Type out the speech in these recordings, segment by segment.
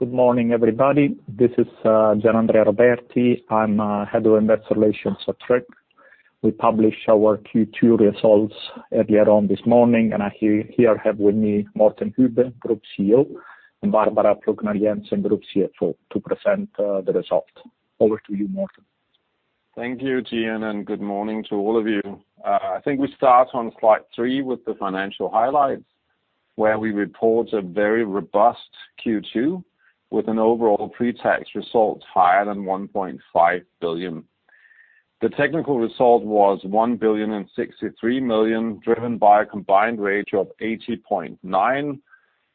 Good morning, everybody. This is Gianandrea Roberti. I'm head of Investor Relations at Tryg. We published our Q2 results earlier on this morning, and I have here with me Morten Hübbe, Group CEO, and Barbara Plucnar Jensen, Group CFO, to present the results. Over to you, Morten. Thank you, Gianandrea. Good morning to all of you. I think we start on slide three with the financial highlights, where we report a very robust Q2 with an overall pre-tax result higher than 1.5 billion. The technical result was 1.063 billion, driven by a combined rate of 80.9%,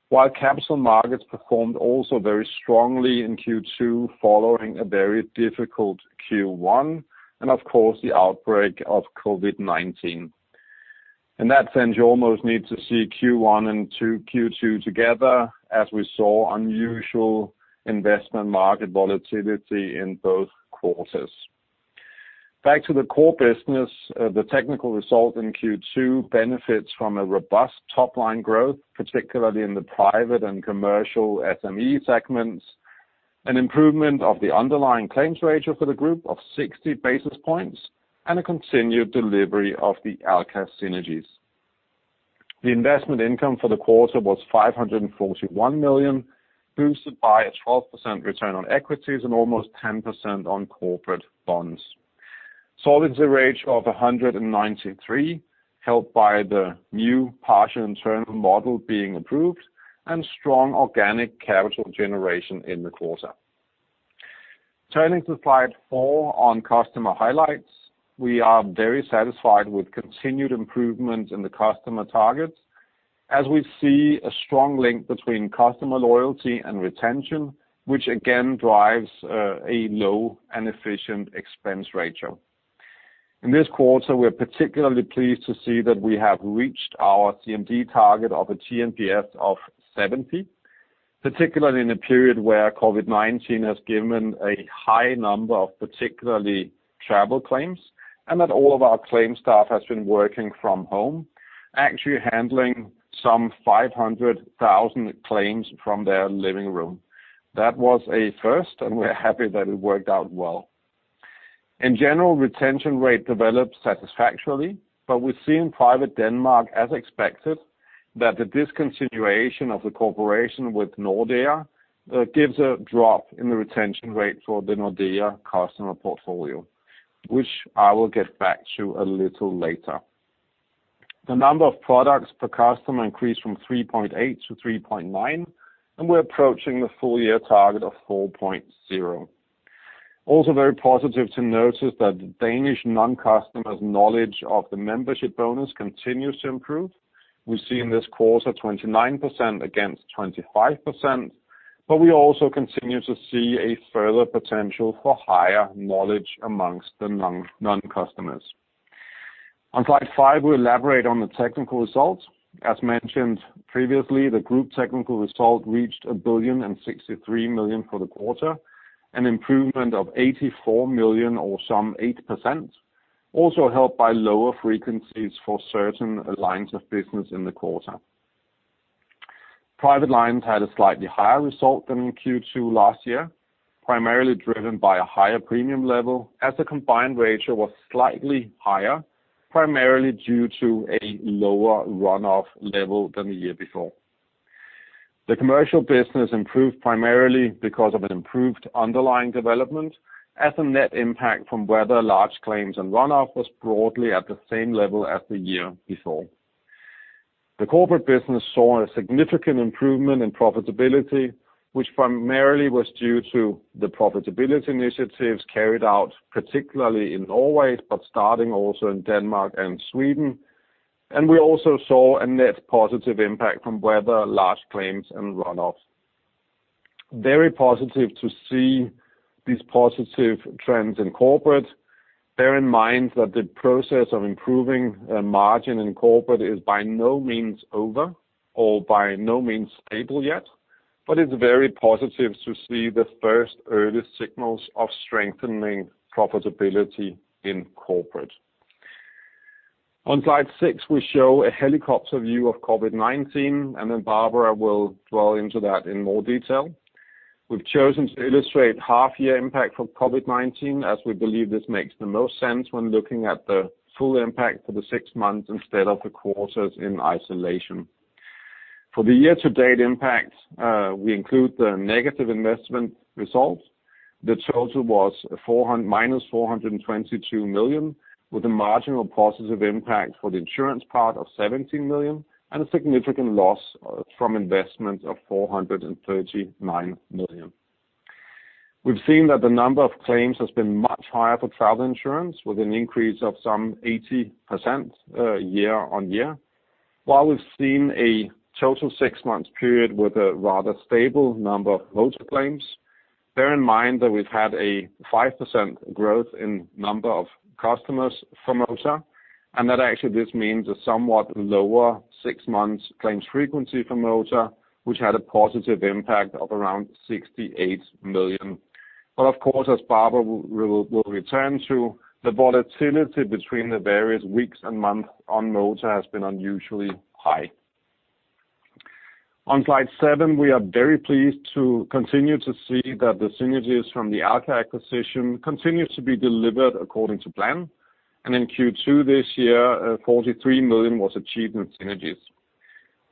while capital markets performed also very strongly in Q2 following a very difficult Q1 and, of course, the outbreak of COVID-19. And that means you almost need to see Q1 and Q2 together, as we saw unusual investment market volatility in both quarters. Back to the core business, the technical result in Q2 benefits from a robust top-line growth, particularly in the private and commercial SME segments, an improvement of the underlying claims ratio for the group of 60 basis points, and a continued delivery of the Alka synergies. The investment income for the quarter was 541 million, boosted by a 12% return on equities and almost 10% on corporate bonds. Solvency rate of 193, helped by the new partial internal model being approved, and strong organic capital generation in the quarter. Turning to slide four on customer highlights, we are very satisfied with continued improvements in the customer targets, as we see a strong link between customer loyalty and retention, which again drives a low and efficient expense ratio. In this quarter, we are particularly pleased to see that we have reached our CMD target of a TNPS of 70, particularly in a period where COVID-19 has given a high number of particularly travel claims, and that all of our claims staff has been working from home, actually handling some 500,000 claims from their living room. That was a first, and we're happy that it worked out well. In general, retention rate developed satisfactorily, but we've seen in Private Denmark, as expected, that the discontinuation of the collaboration with Nordea gives a drop in the retention rate for the Nordea customer portfolio, which I will get back to a little later. The number of products per customer increased from 3.8 to 3.9, and we're approaching the full-year target of 4.0. Also very positive to notice that the Danish non-customers' knowledge of the membership bonus continues to improve. We see in this quarter 29% against 25%, but we also continue to see a further potential for higher knowledge amongst the non-customers. On slide five, we'll elaborate on the technical results. As mentioned previously, the group technical result reached 1.063 billion for the quarter, an improvement of 84 million or some 8%, also helped by lower frequencies for certain lines of business in the quarter. Private lines had a slightly higher result than Q2 last year, primarily driven by a higher premium level, as the combined ratio was slightly higher, primarily due to a lower runoff level than the year before. The commercial business improved primarily because of an improved underlying development, as the net impact from weather, large claims, and runoff was broadly at the same level as the year before. The corporate business saw a significant improvement in profitability, which primarily was due to the profitability initiatives carried out, particularly in Norway, but starting also in Denmark and Sweden, and we also saw a net positive impact from weather, large claims, and runoff. Very positive to see these positive trends in corporate. Bear in mind that the process of improving margin in corporate is by no means over or by no means stable yet, but it's very positive to see the first early signals of strengthening profitability in corporate. On slide six, we show a helicopter view of COVID-19, and then Barbara will dwell into that in more detail. We've chosen to illustrate half-year impact for COVID-19, as we believe this makes the most sense when looking at the full impact for the six months instead of the quarters in isolation. For the year-to-date impact, we include the negative investment result. The total was -422 million, with a marginal positive impact for the insurance part of 17 million and a significant loss from investment of 439 million. We've seen that the number of claims has been much higher for travel insurance, with an increase of some 80% year on year, while we've seen a total six-month period with a rather stable number of motor claims. Bear in mind that we've had a 5% growth in number of customers for motor, and that actually this means a somewhat lower six-month claims frequency for motor, which had a positive impact of around 68 million. But of course, as Barbara will return to, the volatility between the various weeks and months on motor has been unusually high. On slide seven, we are very pleased to continue to see that the synergies from the Alka acquisition continue to be delivered according to plan, and in Q2 this year, 43 million was achieved in synergies.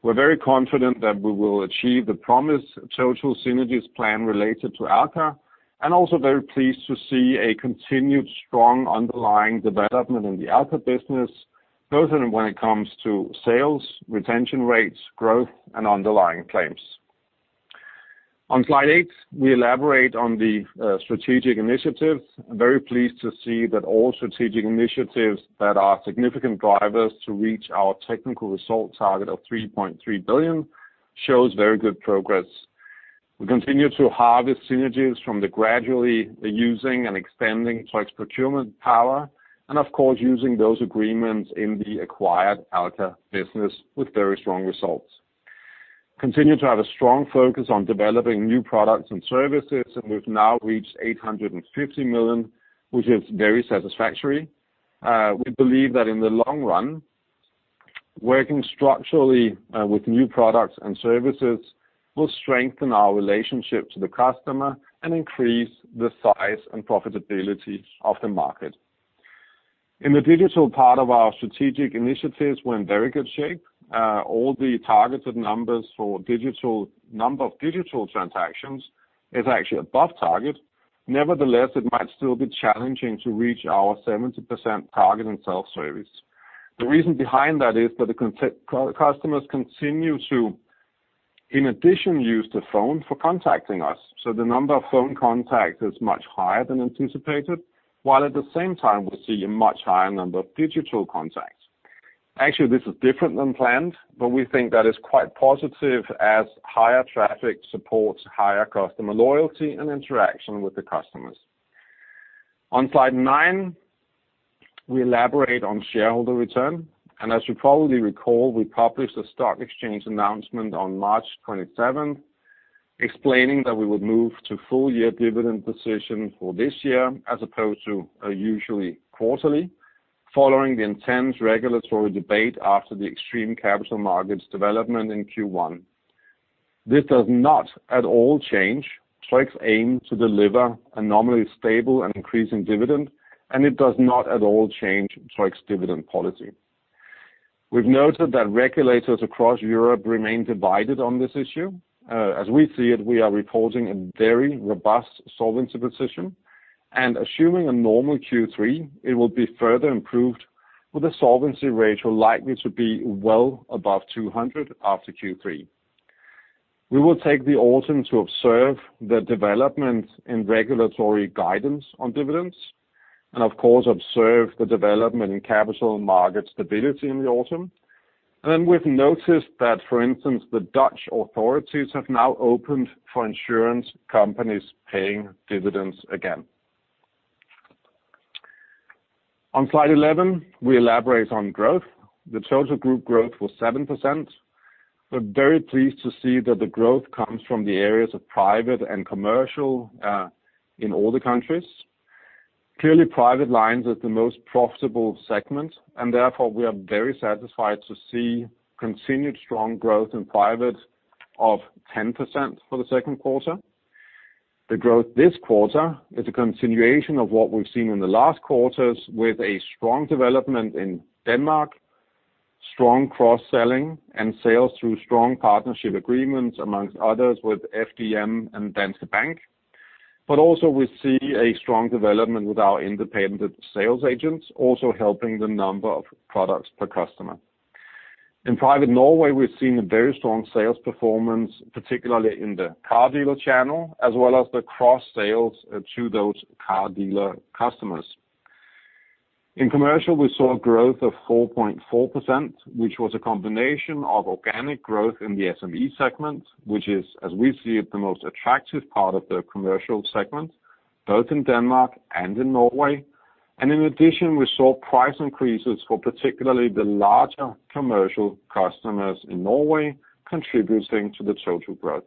We're very confident that we will achieve the promised total synergies plan related to Alka, and also very pleased to see a continued strong underlying development in the Alka business, both when it comes to sales, retention rates, growth, and underlying claims. On slide eight, we elaborate on the strategic initiatives. Very pleased to see that all strategic initiatives that are significant drivers to reach our technical result target of 3.3 billion show very good progress. We continue to harvest synergies from the gradually using and expanding our procurement power, and of course, using those agreements in the acquired Alka business with very strong results. Continue to have a strong focus on developing new products and services, and we've now reached 850 million, which is very satisfactory. We believe that in the long run, working structurally with new products and services will strengthen our relationship to the customer and increase the size and profitability of the market. In the digital part of our strategic initiatives, we're in very good shape. All the targeted numbers for number of digital transactions is actually above target. Nevertheless, it might still be challenging to reach our 70% target in self-service. The reason behind that is that the customers continue to, in addition, use the phone for contacting us, so the number of phone contacts is much higher than anticipated, while at the same time, we see a much higher number of digital contacts. Actually, this is different than planned, but we think that is quite positive as higher traffic supports higher customer loyalty and interaction with the customers. On slide nine, we elaborate on shareholder return, and as you probably recall, we published a stock exchange announcement on March 27th explaining that we would move to full-year dividend position for this year as opposed to usually quarterly, following the intense regulatory debate after the extreme capital markets development in Q1. This does not at all change Tryg's aim to deliver a normally stable and increasing dividend, and it does not at all change Tryg's dividend policy. We've noted that regulators across Europe remain divided on this issue. As we see it, we are reporting a very robust solvency position, and assuming a normal Q3, it will be further improved, with a solvency ratio likely to be well above 200 after Q3. We will take the autumn to observe the development in regulatory guidance on dividends and, of course, observe the development in capital market stability in the autumn. We've noticed that, for instance, the Dutch authorities have now opened for insurance companies paying dividends again. On slide 11, we elaborate on growth. The total group growth was 7%. We're very pleased to see that the growth comes from the areas of private and commercial in all the countries. Clearly, private lines is the most profitable segment, and therefore, we are very satisfied to see continued strong growth in private of 10% for the second quarter. The growth this quarter is a continuation of what we've seen in the last quarters, with a strong development in Denmark, strong cross-selling, and sales through strong partnership agreements, among others, with FDM and Danske Bank. But also, we see a strong development with our independent sales agents, also helping the number of products per customer. In private, Norway, we've seen a very strong sales performance, particularly in the car dealer channel, as well as the cross-sales to those car dealer customers. In commercial, we saw growth of 4.4%, which was a combination of organic growth in the SME segment, which is, as we see it, the most attractive part of the commercial segment, both in Denmark and in Norway. And in addition, we saw price increases for particularly the larger commercial customers in Norway, contributing to the total growth.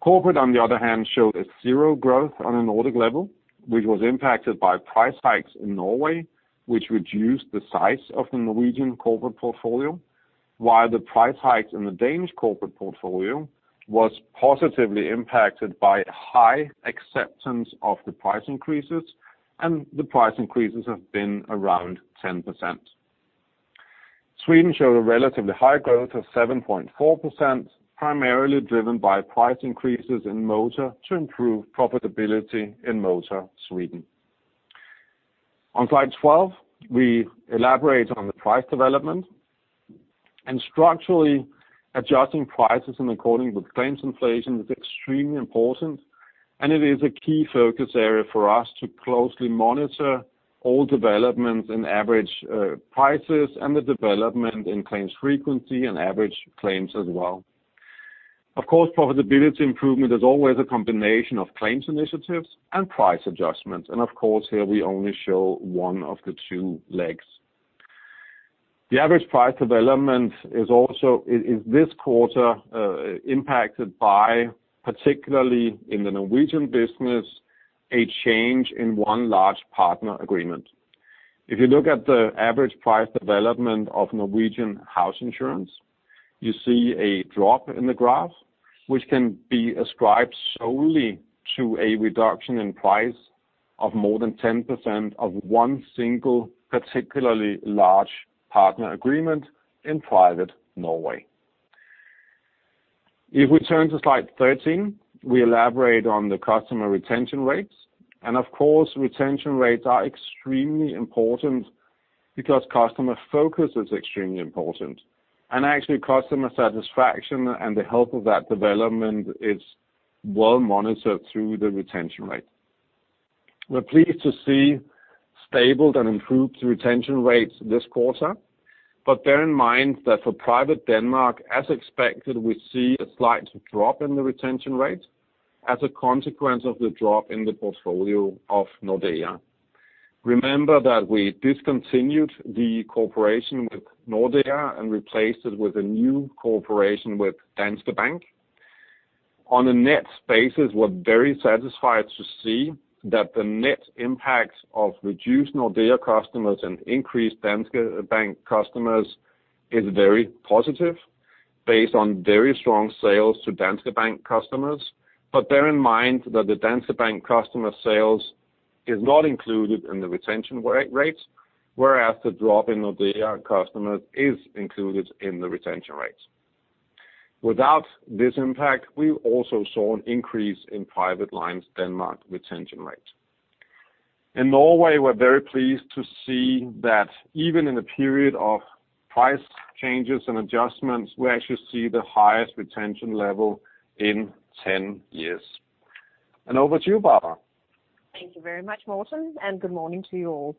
Corporate, on the other hand, showed a zero growth on an earned level, which was impacted by price hikes in Norway, which reduced the size of the Norwegian corporate portfolio, while the price hikes in the Danish corporate portfolio were positively impacted by high acceptance of the price increases, and the price increases have been around 10%. Sweden showed a relatively high growth of 7.4%, primarily driven by price increases in motor to improve profitability in motor Sweden. On slide 12, we elaborate on the price development. And structurally, adjusting prices in accordance with claims inflation is extremely important, and it is a key focus area for us to closely monitor all developments in average prices and the development in claims frequency and average claims as well. Of course, profitability improvement is always a combination of claims initiatives and price adjustments, and of course, here we only show one of the two legs. The average price development is also this quarter impacted by, particularly in the Norwegian business, a change in one large partner agreement. If you look at the average price development of Norwegian house insurance, you see a drop in the graph, which can be ascribed solely to a reduction in price of more than 10% of one single particularly large partner agreement in private Norway. If we turn to slide 13, we elaborate on the customer retention rates, and of course, retention rates are extremely important because customer focus is extremely important, and actually, customer satisfaction and the health of that development is well monitored through the retention rate. We're pleased to see stable and improved retention rates this quarter, but bear in mind that for private Denmark, as expected, we see a slight drop in the retention rate as a consequence of the drop in the portfolio of Nordea. Remember that we discontinued the cooperation with Nordea and replaced it with a new cooperation with Danske Bank. On a net basis, we're very satisfied to see that the net impact of reduced Nordea customers and increased Danske Bank customers is very positive, based on very strong sales to Danske Bank customers. But bear in mind that the Danske Bank customer sales is not included in the retention rate, whereas the drop in Nordea customers is included in the retention rate. Without this impact, we also saw an increase in private lines' Denmark retention rate. In Norway, we're very pleased to see that even in the period of price changes and adjustments, we actually see the highest retention level in 10 years. And over to you, Barbara. Thank you very much, Morten, and good morning to you all.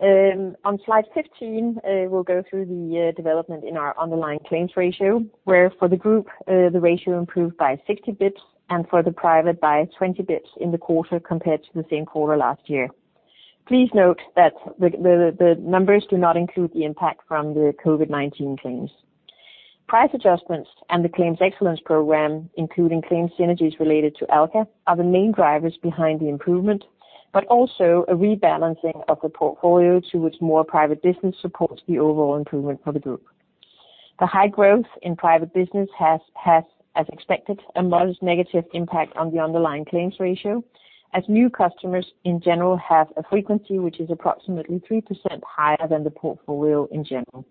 On slide 15, we'll go through the development in our underlying claims ratio, where for the group, the ratio improved by 60 basis points and for the private by 20 basis points in the quarter compared to the same quarter last year. Please note that the numbers do not include the impact from the COVID-19 claims. Price adjustments and the claims excellence program, including claims synergies related to Alka, are the main drivers behind the improvement, but also a rebalancing of the portfolio to which more private business supports the overall improvement for the group. The high growth in private business has, as expected, a modest negative impact on the underlying claims ratio, as new customers in general have a frequency which is approximately 3% higher than the portfolio in general.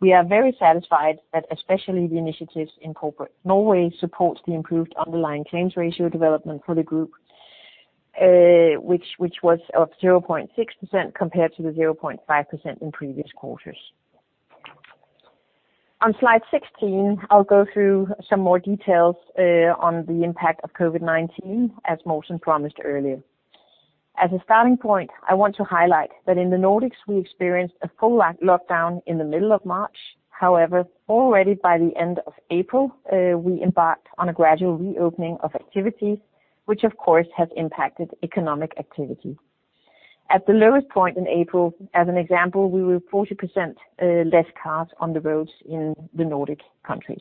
We are very satisfied that especially the initiatives in corporate Norway support the improved underlying claims ratio development for the group, which was of 0.6% compared to the 0.5% in previous quarters. On Slide 16, I'll go through some more details on the impact of COVID-19, as Morten promised earlier. As a starting point, I want to highlight that in the Nordics, we experienced a full lockdown in the middle of March. However, already by the end of April, we embarked on a gradual reopening of activities, which of course has impacted economic activity. At the lowest point in April, as an example, we were 40% less cars on the roads in the Nordic countries.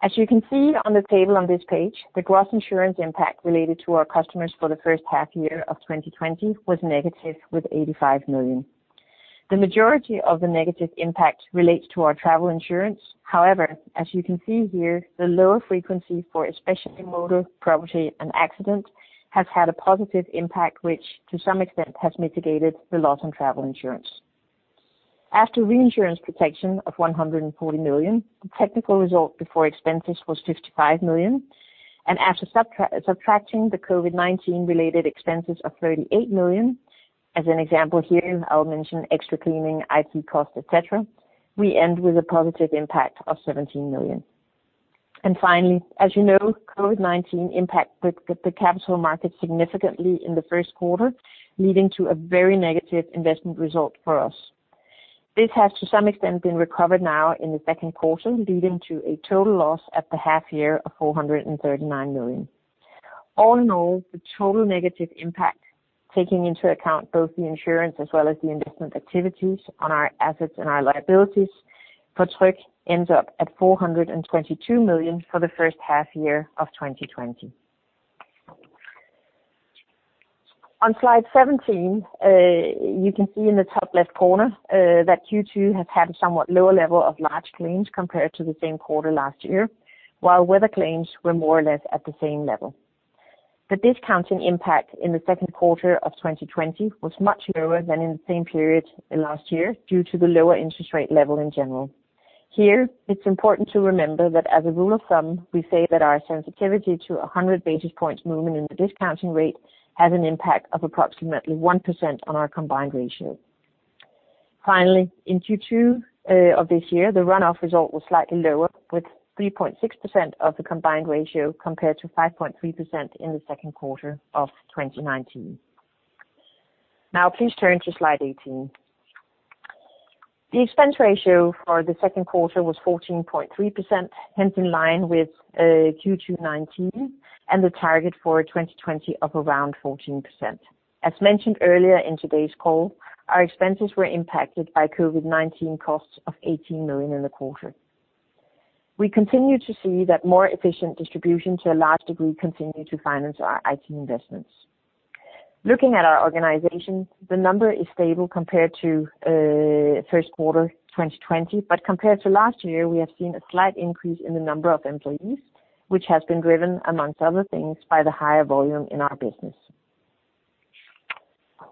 As you can see on the table on this page, the gross insurance impact related to our customers for the first half year of 2020 was negative with 85 million. The majority of the negative impact relates to our travel insurance. However, as you can see here, the lower frequency for especially motor, property, and accident has had a positive impact, which to some extent has mitigated the loss on travel insurance. After reinsurance protection of 140 million, the technical result before expenses was 55 million, and after subtracting the COVID-19 related expenses of 38 million, as an example here, I'll mention extra cleaning, IT costs, etc., we end with a positive impact of 17 million. And finally, as you know, COVID-19 impacted the capital markets significantly in the first quarter, leading to a very negative investment result for us. This has to some extent been recovered now in the second quarter, leading to a total loss at the half year of 439 million. All in all, the total negative impact, taking into account both the insurance as well as the investment activities on our assets and our liabilities for Tryg, ends up at 422 million for the first half year of 2020. On slide 17, you can see in the top left corner that Q2 has had a somewhat lower level of large claims compared to the same quarter last year, while weather claims were more or less at the same level. The discounting impact in the second quarter of 2020 was much lower than in the same period last year due to the lower interest rate level in general. Here, it's important to remember that as a rule of thumb, we say that our sensitivity to 100 basis points movement in the discounting rate has an impact of approximately 1% on our combined ratio. Finally, in Q2 of this year, the runoff result was slightly lower with 3.6% of the combined ratio compared to 5.3% in the second quarter of 2019. Now, please turn to slide 18. The expense ratio for the second quarter was 14.3%, hence in line with Q2 2019 and the target for 2020 of around 14%. As mentioned earlier in today's call, our expenses were impacted by COVID-19 costs of 18 million in the quarter. We continue to see that more efficient distribution to a large degree continues to finance our IT investments. Looking at our organization, the number is stable compared to first quarter 2020, but compared to last year, we have seen a slight increase in the number of employees, which has been driven, amongst other things, by the higher volume in our business.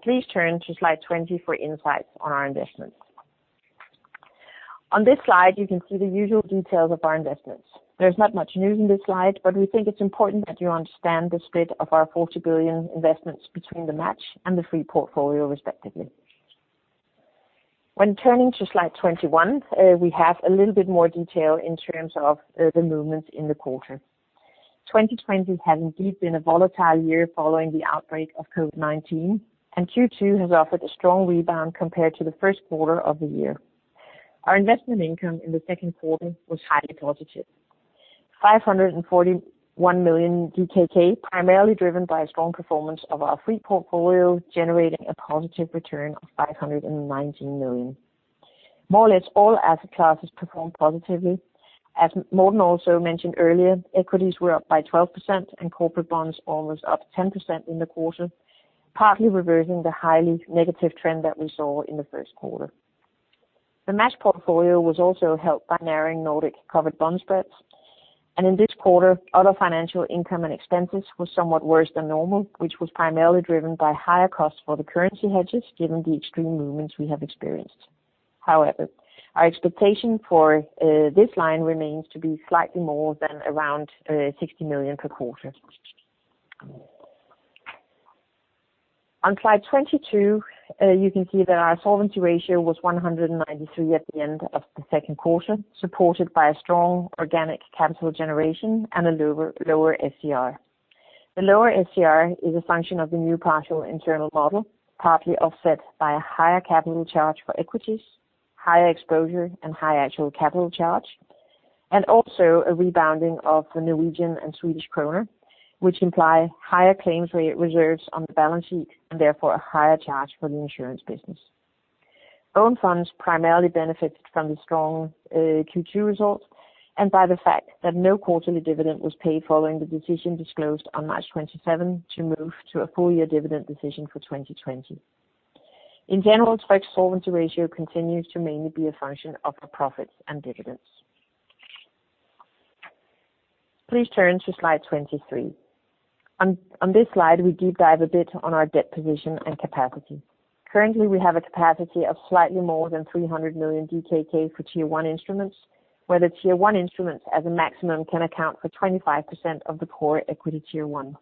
Please turn to slide 20 for insights on our investments. On this slide, you can see the usual details of our investments. There's not much news in this slide, but we think it's important that you understand the split of our 40 billion investments between the match and the free portfolio, respectively. When turning to slide 21, we have a little bit more detail in terms of the movements in the quarter. 2020 has indeed been a volatile year following the outbreak of COVID-19, and Q2 has offered a strong rebound compared to the first quarter of the year. Our investment income in the second quarter was highly positive: 541 million DKK, primarily driven by a strong performance of our free portfolio, generating a positive return of 519 million. More or less all asset classes performed positively. As Morten also mentioned earlier, equities were up by 12%, and corporate bonds almost up 10% in the quarter, partly reversing the highly negative trend that we saw in the first quarter. The match portfolio was also helped by narrowing Nordic covered bond spreads, and in this quarter, other financial income and expenses were somewhat worse than normal, which was primarily driven by higher costs for the currency hedges given the extreme movements we have experienced. However, our expectation for this line remains to be slightly more than around 60 million per quarter. On slide 22, you can see that our solvency ratio was 193 at the end of the second quarter, supported by a strong organic capital generation and a lower SCR. The lower SCR is a function of the new partial internal model, partly offset by a higher capital charge for equities, higher exposure, and higher actual capital charge, and also a rebounding of the Norwegian and Swedish kroner, which imply higher claims reserves on the balance sheet and therefore a higher charge for the insurance business. Bond funds primarily benefited from the strong Q2 result and by the fact that no quarterly dividend was paid following the decision disclosed on March 27 to move to a full-year dividend decision for 2020. In general, Tryg's solvency ratio continues to mainly be a function of profits and dividends. Please turn to slide 23. On this slide, we deep dive a bit on our debt position and capacity. Currently, we have a capacity of slightly more than 300 million DKK for Tier 1 instruments, where the Tier 1 instruments as a maximum can account for 25% of the core equity Tier 1.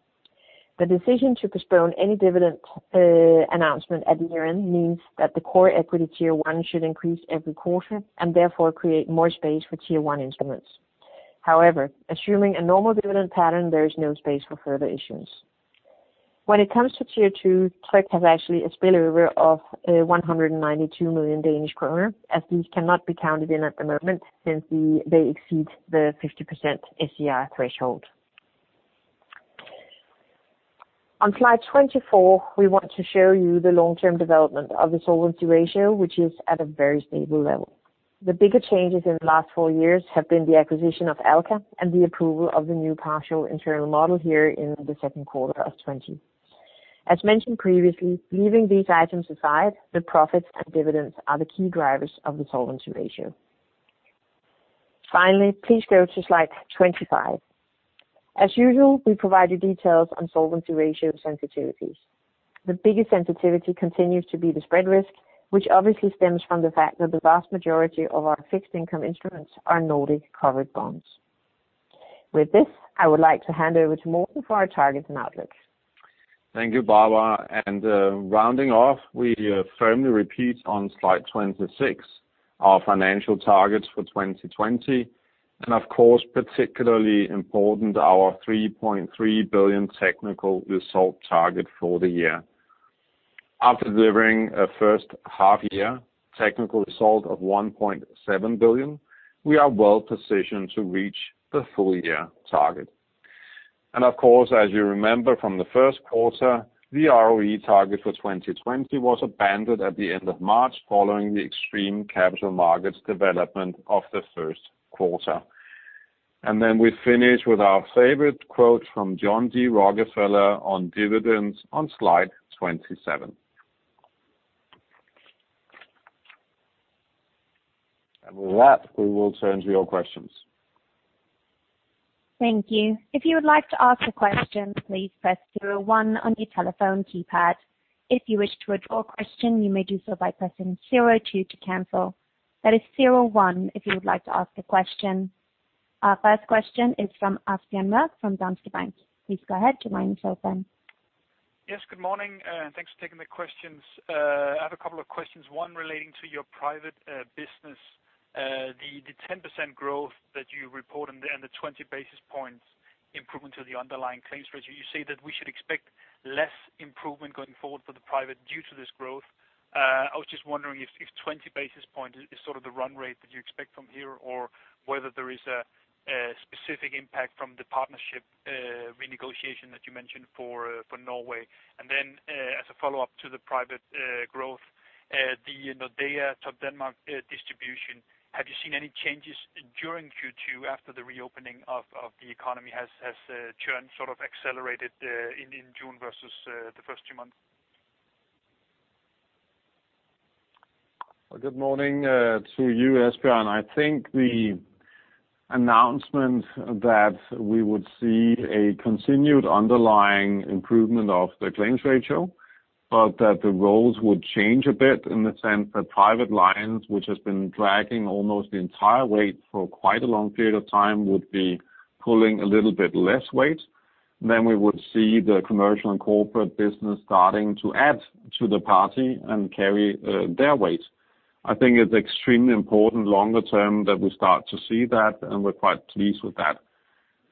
The decision to postpone any dividend announcement at year-end means that the core equity Tier 1 should increase every quarter and therefore create more space for Tier 1 instruments. However, assuming a normal dividend pattern, there is no space for further issues. When it comes to Tier 2, Tryg has actually a spillover of 192 million Danish kroner, as these cannot be counted in at the moment since they exceed the 50% SCR threshold. On slide 24, we want to show you the long-term development of the solvency ratio, which is at a very stable level. The biggest changes in the last four years have been the acquisition of Alka and the approval of the new partial internal model here in the second quarter of 2020. As mentioned previously, leaving these items aside, the profits and dividends are the key drivers of the solvency ratio. Finally, please go to slide 25. As usual, we provide you details on solvency ratio sensitivities. The biggest sensitivity continues to be the spread risk, which obviously stems from the fact that the vast majority of our fixed income instruments are Nordic covered bonds. With this, I would like to hand over to Morten for our targets and outlook. Thank you, Barbara. And rounding off, we firmly repeat on slide 26 our financial targets for 2020, and of course, particularly important, our 3.3 billion technical result target for the year. After delivering a first half year technical result of 1.7 billion, we are well positioned to reach the full-year target, and of course, as you remember from the first quarter, the ROE target for 2020 was abandoned at the end of March following the extreme capital markets development of the first quarter, and then we finish with our favorite quote from John D. Rockefeller on dividends on slide 27, and with that, we will turn to your questions. Thank you. If you would like to ask a question, please press zero one on your telephone keypad. If you wish to withdraw a question, you may do so by pressing zero two to cancel. That is zero one if you would like to ask a question. Our first question is from Asbjørn Mørk from Danske Bank. Please go ahead your line is open. Yes, good morning. Thanks for taking the questions. I have a couple of questions, one relating to your private business. The 10% growth that you report and the 20 basis points improvement to the underlying claims ratio, you say that we should expect less improvement going forward for the private due to this growth. I was just wondering if 20 basis points is sort of the run rate that you expect from here or whether there is a specific impact from the partnership renegotiation that you mentioned for Norway. And then as a follow-up to the private growth, the Nordea Topdanmark distribution, have you seen any changes during Q2 after the reopening of the economy has sort of accelerated in June versus the first two months? Well, good morning to you, Asbjørn. I think the announcement that we would see a continued underlying improvement of the claims ratio, but that the roles would change a bit in the sense that private lines, which have been dragging almost the entire weight for quite a long period of time, would be pulling a little bit less weight, then we would see the commercial and corporate business starting to add to the party and carry their weight. I think it's extremely important longer term that we start to see that, and we're quite pleased with that.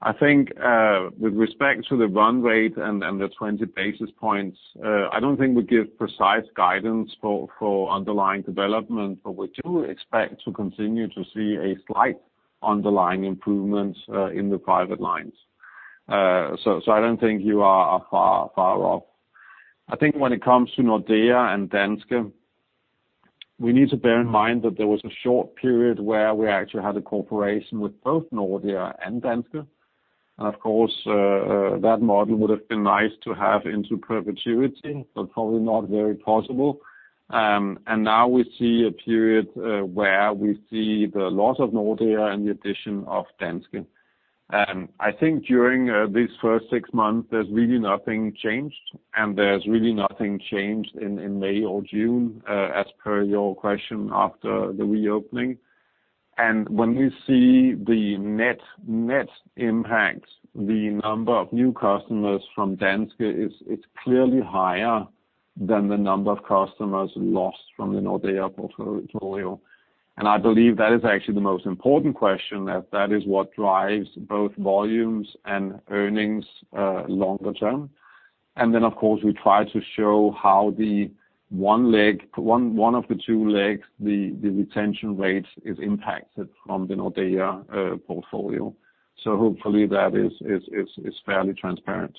I think with respect to the run rate and the 20 basis points, I don't think we give precise guidance for underlying development, but we do expect to continue to see a slight underlying improvement in the private lines. So I don't think you are far off. I think when it comes to Nordea and Danske, we need to bear in mind that there was a short period where we actually had a cooperation with both Nordea and Danske. And of course, that model would have been nice to have into perpetuity, but probably not very possible. And now we see a period where we see the loss of Nordea and the addition of Danske. I think during these first six months, there's really nothing changed, and there's really nothing changed in May or June, as per your question after the reopening. And when we see the net impact, the number of new customers from Danske is clearly higher than the number of customers lost from the Nordea portfolio. And I believe that is actually the most important question, as that is what drives both volumes and earnings longer term. Then, of course, we try to show how one of the two legs, the retention rate, is impacted from the Nordea portfolio. So hopefully that is fairly transparent.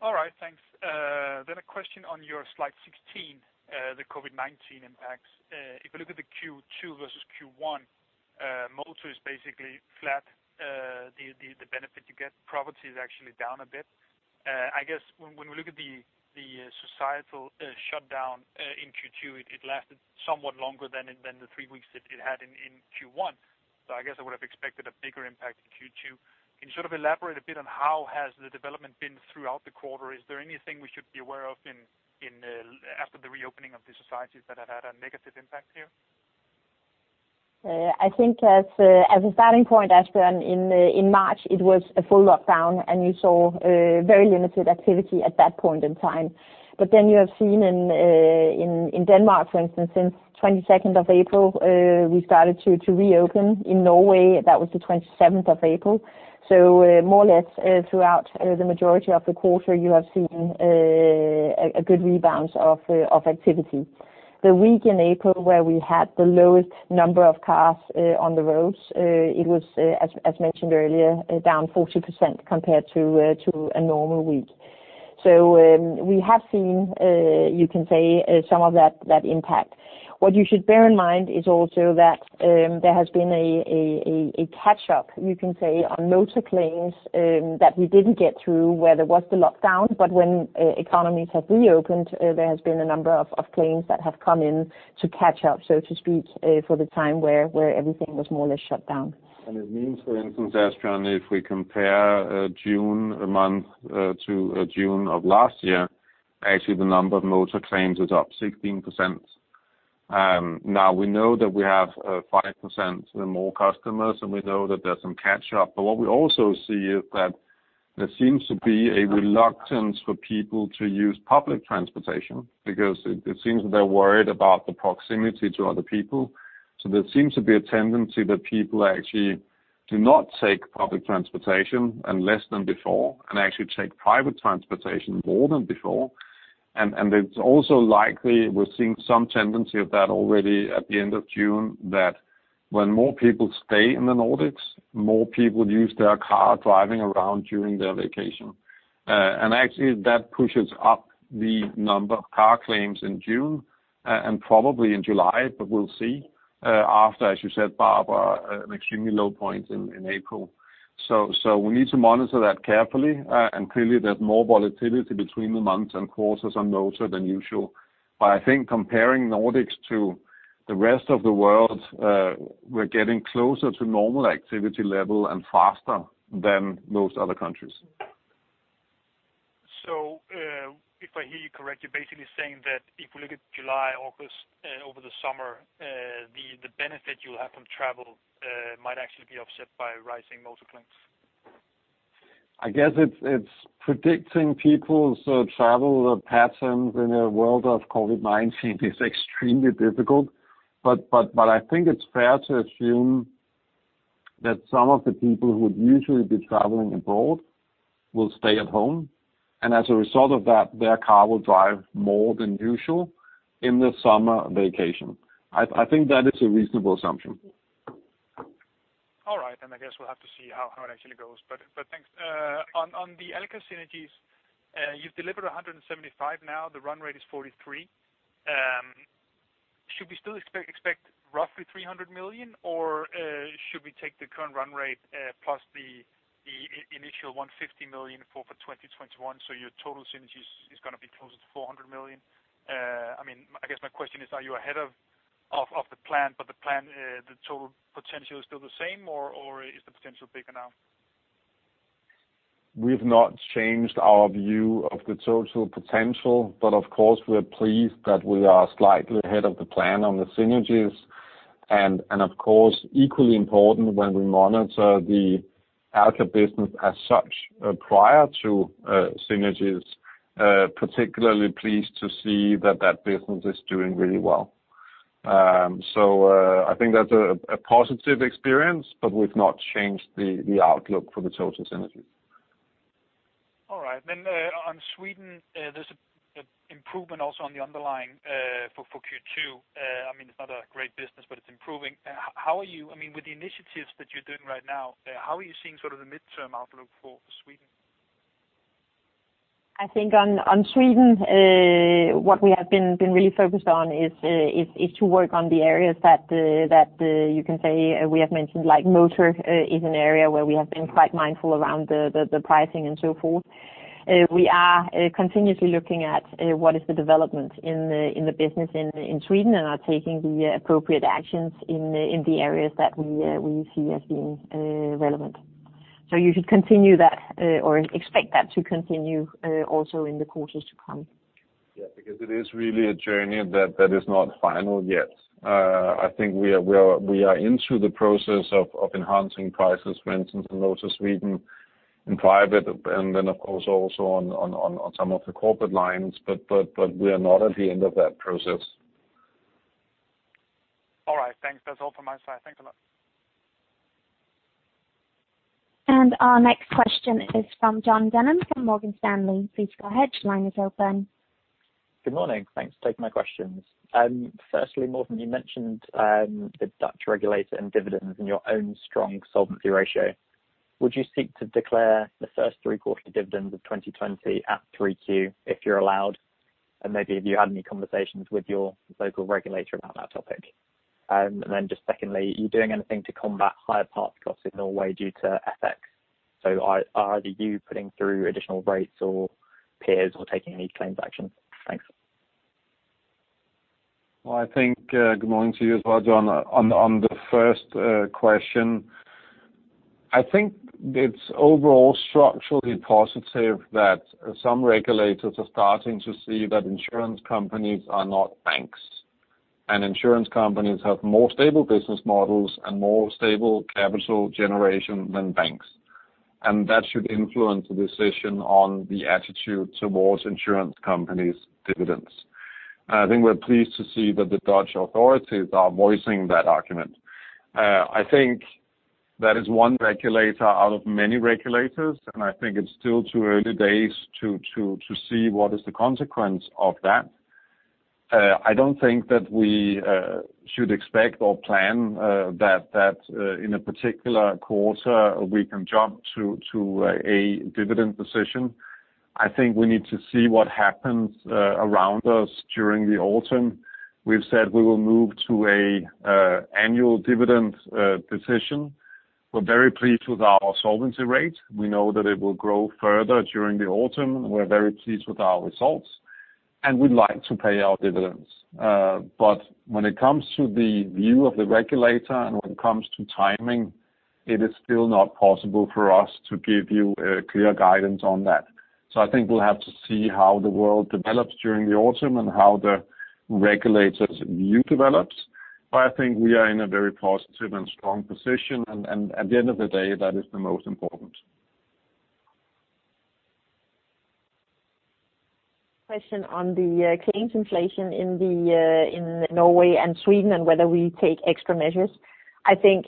All right, thanks. Then a question on your slide 16, the COVID-19 impacts. If you look at the Q2 versus Q1, Motor is basically flat. The benefit you get, personal, is actually down a bit. I guess when we look at the societal shutdown in Q2, it lasted somewhat longer than the three weeks it had in Q1. So I guess I would have expected a bigger impact in Q2. Can you sort of elaborate a bit on how has the development been throughout the quarter? Is there anything we should be aware of after the reopening of the societies that have had a negative impact here? I think as a starting point, Asbjørn, in March, it was a full lockdown, and you saw very limited activity at that point in time. But then you have seen in Denmark, for instance, since 22nd of April, we started to reopen. In Norway, that was the 27th of April. So more or less throughout the majority of the quarter, you have seen a good rebound of activity. The week in April where we had the lowest number of cars on the roads, it was, as mentioned earlier, down 40% compared to a normal week. So we have seen, you can say, some of that impact. What you should bear in mind is also that there has been a catch-up, you can say, on motor claims that we didn't get through where there was the lockdown, but when economies have reopened, there has been a number of claims that have come in to catch up, so to speak, for the time where everything was more or less shut down. And it means, for instance, Asbjørn, if we compare June month to June of last year, actually the number of motor claims is up 16%. Now we know that we have 5% more customers, and we know that there's some catch-up, but what we also see is that there seems to be a reluctance for people to use public transportation because it seems that they're worried about the proximity to other people. So there seems to be a tendency that people actually do not take public transportation less than before and actually take private transportation more than before. And it's also likely we're seeing some tendency of that already at the end of June, that when more people stay in the Nordics, more people use their car driving around during their vacation. And actually, that pushes up the number of car claims in June and probably in July, but we'll see after, as you said, Barbara, an extremely low point in April. So we need to monitor that carefully and clearly there's more volatility between the months and quarters on motor than usual. But I think comparing Nordics to the rest of the world, we're getting closer to normal activity level and faster than most other countries. So if I hear you correct, you're basically saying that if we look at July, August, over the summer, the benefit you'll have from travel might actually be offset by rising motor claims? I guess it's predicting people's travel patterns in a world of COVID-19 is extremely difficult, but I think it's fair to assume that some of the people who would usually be traveling abroad will stay at home. And as a result of that, their car will drive more than usual in the summer vacation. I think that is a reasonable assumption. All right. And I guess we'll have to see how it actually goes. But thanks. On the Alka synergies, you've delivered 175 million now, the run rate is 43 million. Should we still expect roughly 300 million, or should we take the current run rate plus the initial 150 million for 2021? So your total synergies is going to be closer to 400 million. I mean, I guess my question is, are you ahead of the plan, but the plan, the total potential is still the same, or is the potential bigger now? We've not changed our view of the total potential, but of course, we're pleased that we are slightly ahead of the plan on the synergies. And of course, equally important when we monitor the Alka business as such prior to synergies, particularly pleased to see that that business is doing really well. So I think that's a positive experience, but we've not changed the outlook for the total synergies. All right. Then on Sweden, there's an improvement also on the underlying for Q2. I mean, it's not a great business, but it's improving. How are you? I mean, with the initiatives that you're doing right now, how are you seeing sort of the midterm outlook for Sweden? I think on Sweden, what we have been really focused on is to work on the areas that you can say we have mentioned, like motor is an area where we have been quite mindful around the pricing and so forth. We are continuously looking at what is the development in the business in Sweden and are taking the appropriate actions in the areas that we see as being relevant. So you should continue that or expect that to continue also in the quarters to come. Yeah, because it is really a journey that is not final yet. I think we are into the process of enhancing prices, for instance, in motor Sweden and private, and then of course also on some of the corporate lines, but we are not at the end of that process. All right, thanks. That's all from my side. Thanks a lot. And our next question is from Jon Denham from Morgan Stanley. Please go ahead. Your line is open. Good morning. Thanks for taking my questions. Firstly, Morten, you mentioned the Dutch regulator and dividends and your own strong solvency ratio. Would you seek to declare the first three-quarter dividends of 2020 at 3Q if you're allowed? And maybe have you had any conversations with your local regulator about that topic? And then just secondly, are you doing anything to combat higher parts costs in Norway due to FX? So are either you putting through additional rates or peers or taking any claims action? Thanks. Well, I think good morning to you as well, Jon. On the first question, I think it's overall structurally positive that some regulators are starting to see that insurance companies are not banks, and insurance companies have more stable business models and more stable capital generation than banks, and that should influence the decision on the attitude towards insurance companies' dividends. I think we're pleased to see that the Dutch authorities are voicing that argument. I think that is one regulator out of many regulators, and I think it's still too early days to see what is the consequence of that. I don't think that we should expect or plan that in a particular quarter we can jump to a dividend decision. I think we need to see what happens around us during the autumn. We've said we will move to an annual dividend decision. We're very pleased with our solvency rate. We know that it will grow further during the autumn, and we're very pleased with our results, and we'd like to pay our dividends. But when it comes to the view of the regulator and when it comes to timing, it is still not possible for us to give you clear guidance on that. So I think we'll have to see how the world develops during the autumn and how the regulator's view develops. But I think we are in a very positive and strong position, and at the end of the day, that is the most important. Question on the claims inflation in Norway and Sweden and whether we take extra measures. I think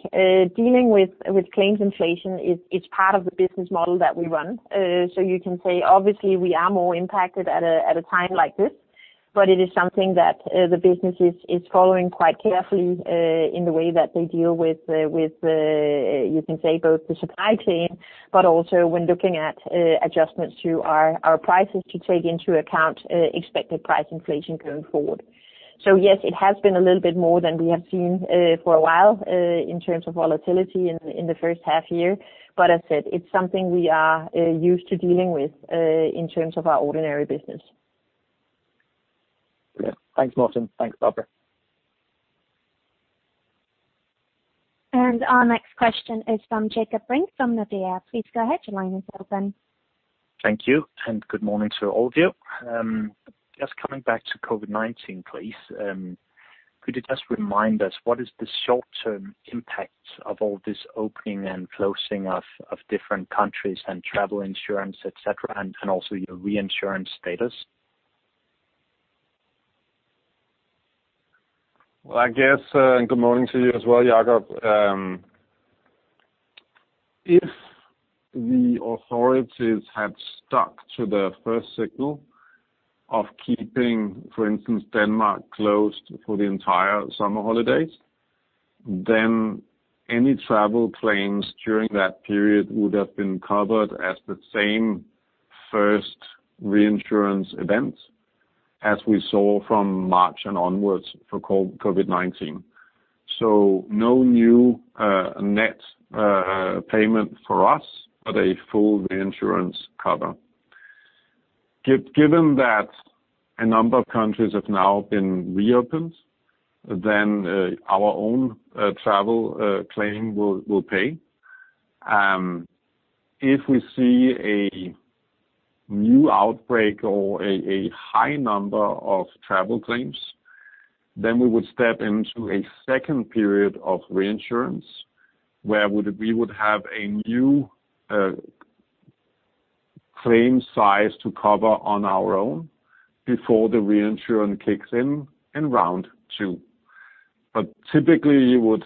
dealing with claims inflation is part of the business model that we run. So you can say, obviously, we are more impacted at a time like this, but it is something that the business is following quite carefully in the way that they deal with, you can say, both the supply chain, but also when looking at adjustments to our prices to take into account expected price inflation going forward. So yes, it has been a little bit more than we have seen for a while in terms of volatility in the first half year, but as I said, it's something we are used to dealing with in terms of our ordinary business. Yeah. Thanks, Morten. Thanks, Barbara. And our next question is from Jakob Brink from Nordea. Please go ahead. Your line is open. Thank you. And good morning to all of you. Just coming back to COVID-19, please. Could you just remind us what is the short-term impact of all this opening and closing of different countries and travel insurance, etc., and also your reinsurance status? I guess good morning to you as well, Jakob. If the authorities had stuck to the first signal of keeping, for instance, Denmark closed for the entire summer holidays, then any travel claims during that period would have been covered as the same first reinsurance event as we saw from March and onwards for COVID-19. So no new net payment for us, but a full reinsurance cover. Given that a number of countries have now been reopened, then our own travel claim will pay. If we see a new outbreak or a high number of travel claims, then we would step into a second period of reinsurance where we would have a new claim size to cover on our own before the reinsurance kicks in in round two. But typically, you would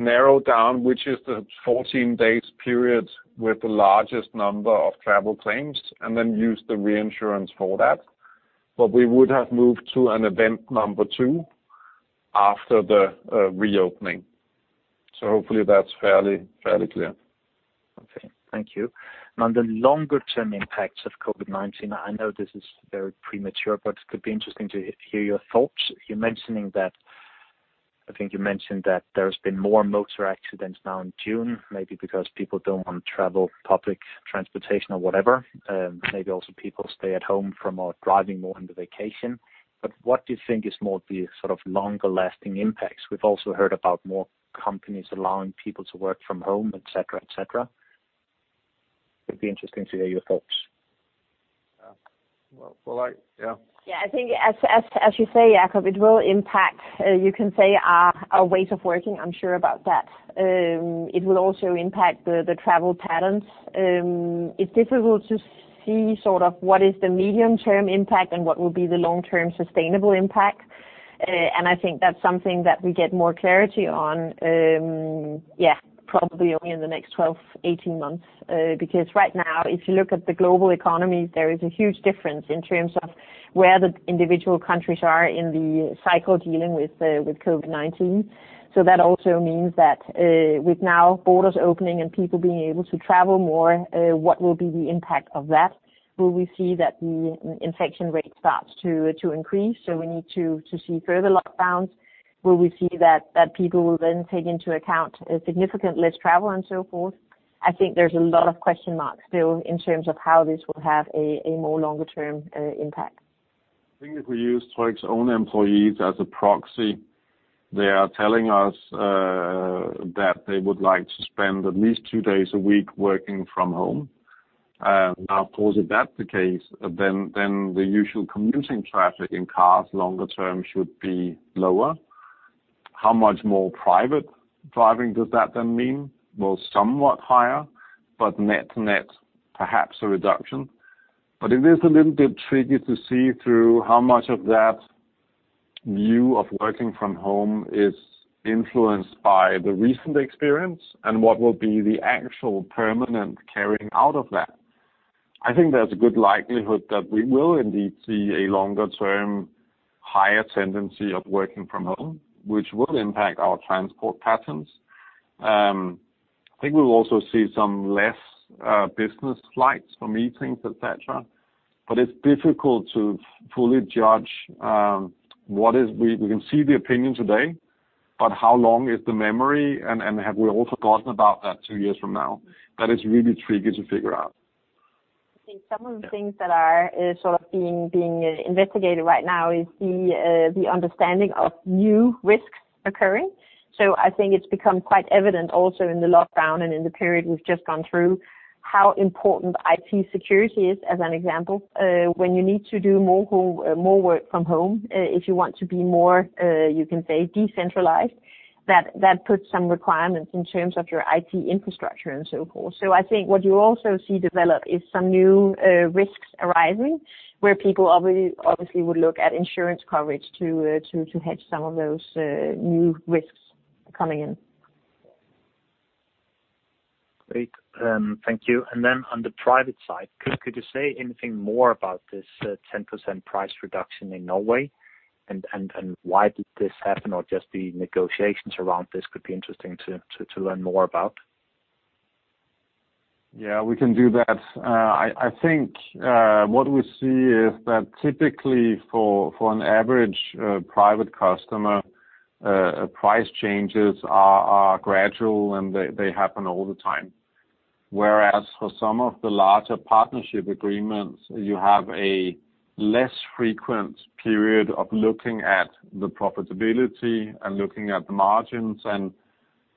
narrow down which is the 14-day period with the largest number of travel claims and then use the reinsurance for that. But we would have moved to an event number two after the reopening. So hopefully, that's fairly clear. Okay. Thank you. And on the longer-term impacts of COVID-19, I know this is very premature, but it could be interesting to hear your thoughts. You're mentioning that I think you mentioned that there's been more motor accidents now in June, maybe because people don't want to travel public transportation or whatever. Maybe also people stay at home from driving more in the vacation. But what do you think is more the sort of longer-lasting impacts? We've also heard about more companies allowing people to work from home, etc., etc. It'd be interesting to hear your thoughts. Well, yeah. Yeah. I think, as you say, Jakob, it will impact, you can say, our ways of working. I'm sure about that. It will also impact the travel patterns. It's difficult to see sort of what is the medium-term impact and what will be the long-term sustainable impact. And I think that's something that we get more clarity on, yeah, probably only in the next 12, 18 months. Because right now, if you look at the global economy, there is a huge difference in terms of where the individual countries are in the cycle dealing with COVID-19. So that also means that with now borders opening and people being able to travel more, what will be the impact of that? Will we see that the infection rate starts to increase? So we need to see further lockdowns. Will we see that people will then take into account significant less travel and so forth? I think there's a lot of question marks still in terms of how this will have a more longer-term impact. I think if we use Tryg's own employees as a proxy, they are telling us that they would like to spend at least two days a week working from home. Now, of course, if that's the case, then the usual commuting traffic in cars longer term should be lower. How much more private driving does that then mean? Well, somewhat higher, but net to net, perhaps a reduction. But it is a little bit tricky to see through how much of that view of working from home is influenced by the recent experience and what will be the actual permanent carrying out of that. I think there's a good likelihood that we will indeed see a longer-term higher tendency of working from home, which will impact our transport patterns. I think we will also see some less business flights for meetings, etc. But it's difficult to fully judge what is we can see the opinion today, but how long is the memory, and have we all forgotten about that two years from now? That is really tricky to figure out. I think some of the things that are sort of being investigated right now is the understanding of new risks occurring. So I think it's become quite evident also in the lockdown and in the period we've just gone through how important IT security is, as an example, when you need to do more work from home if you want to be more, you can say, decentralized. That puts some requirements in terms of your IT infrastructure and so forth. So I think what you also see develop is some new risks arising where people obviously would look at insurance coverage to hedge some of those new risks coming in. Great. Thank you. And then on the private side, could you say anything more about this 10% price reduction in Norway, and why did this happen, or just the negotiations around this could be interesting to learn more about? Yeah, we can do that. I think what we see is that typically for an average private customer, price changes are gradual, and they happen all the time. Whereas for some of the larger partnership agreements, you have a less frequent period of looking at the profitability and looking at the margins, and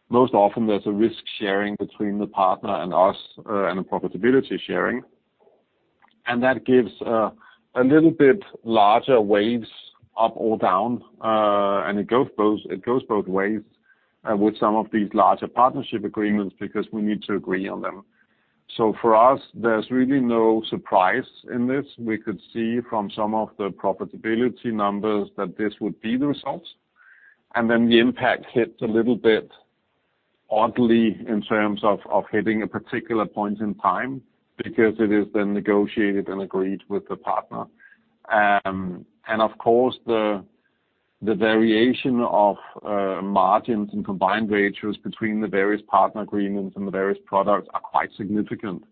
most often, there's a risk sharing between the partner and us and a profitability sharing, and that gives a little bit larger waves up or down, and it goes both ways with some of these larger partnership agreements because we need to agree on them, so for us, there's really no surprise in this. We could see from some of the profitability numbers that this would be the result, and then the impact hits a little bit oddly in terms of hitting a particular point in time because it is then negotiated and agreed with the partner. Of course, the variation of margins and combined ratios between the various partner agreements and the various products are quite significant.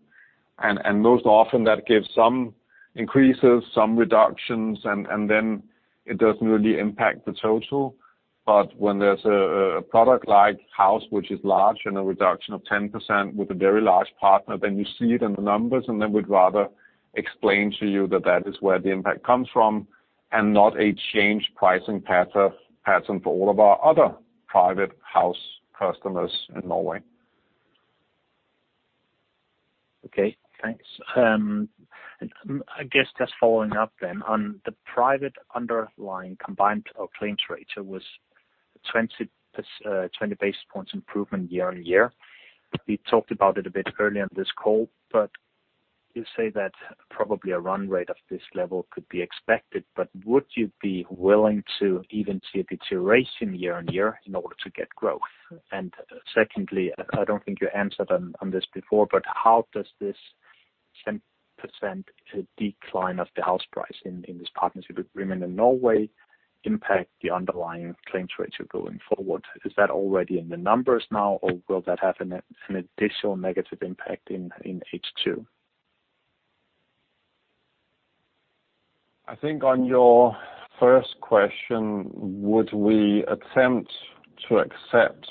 Most often, that gives some increases, some reductions, and then it doesn't really impact the total. But when there's a product like House, which is large and a reduction of 10% with a very large partner, then you see it in the numbers, and then we'd rather explain to you that that is where the impact comes from and not a change pricing pattern for all of our other private house customers in Norway. Okay. Thanks. I guess just following up then on the private underlying combined claims ratio, it was 20 basis points improvement year on year. We talked about it a bit earlier on this call, but you say that probably a run rate of this level could be expected but would you be willing to even see a deterioration year on year in order to get growth? And secondly, I don't think you answered on this before, but how does this 10% decline of the house price in this partnership agreement in Norway impact the underlying claims rates going forward? Is that already in the numbers now, or will that have an additional negative impact in H2? I think on your first question, would we attempt to accept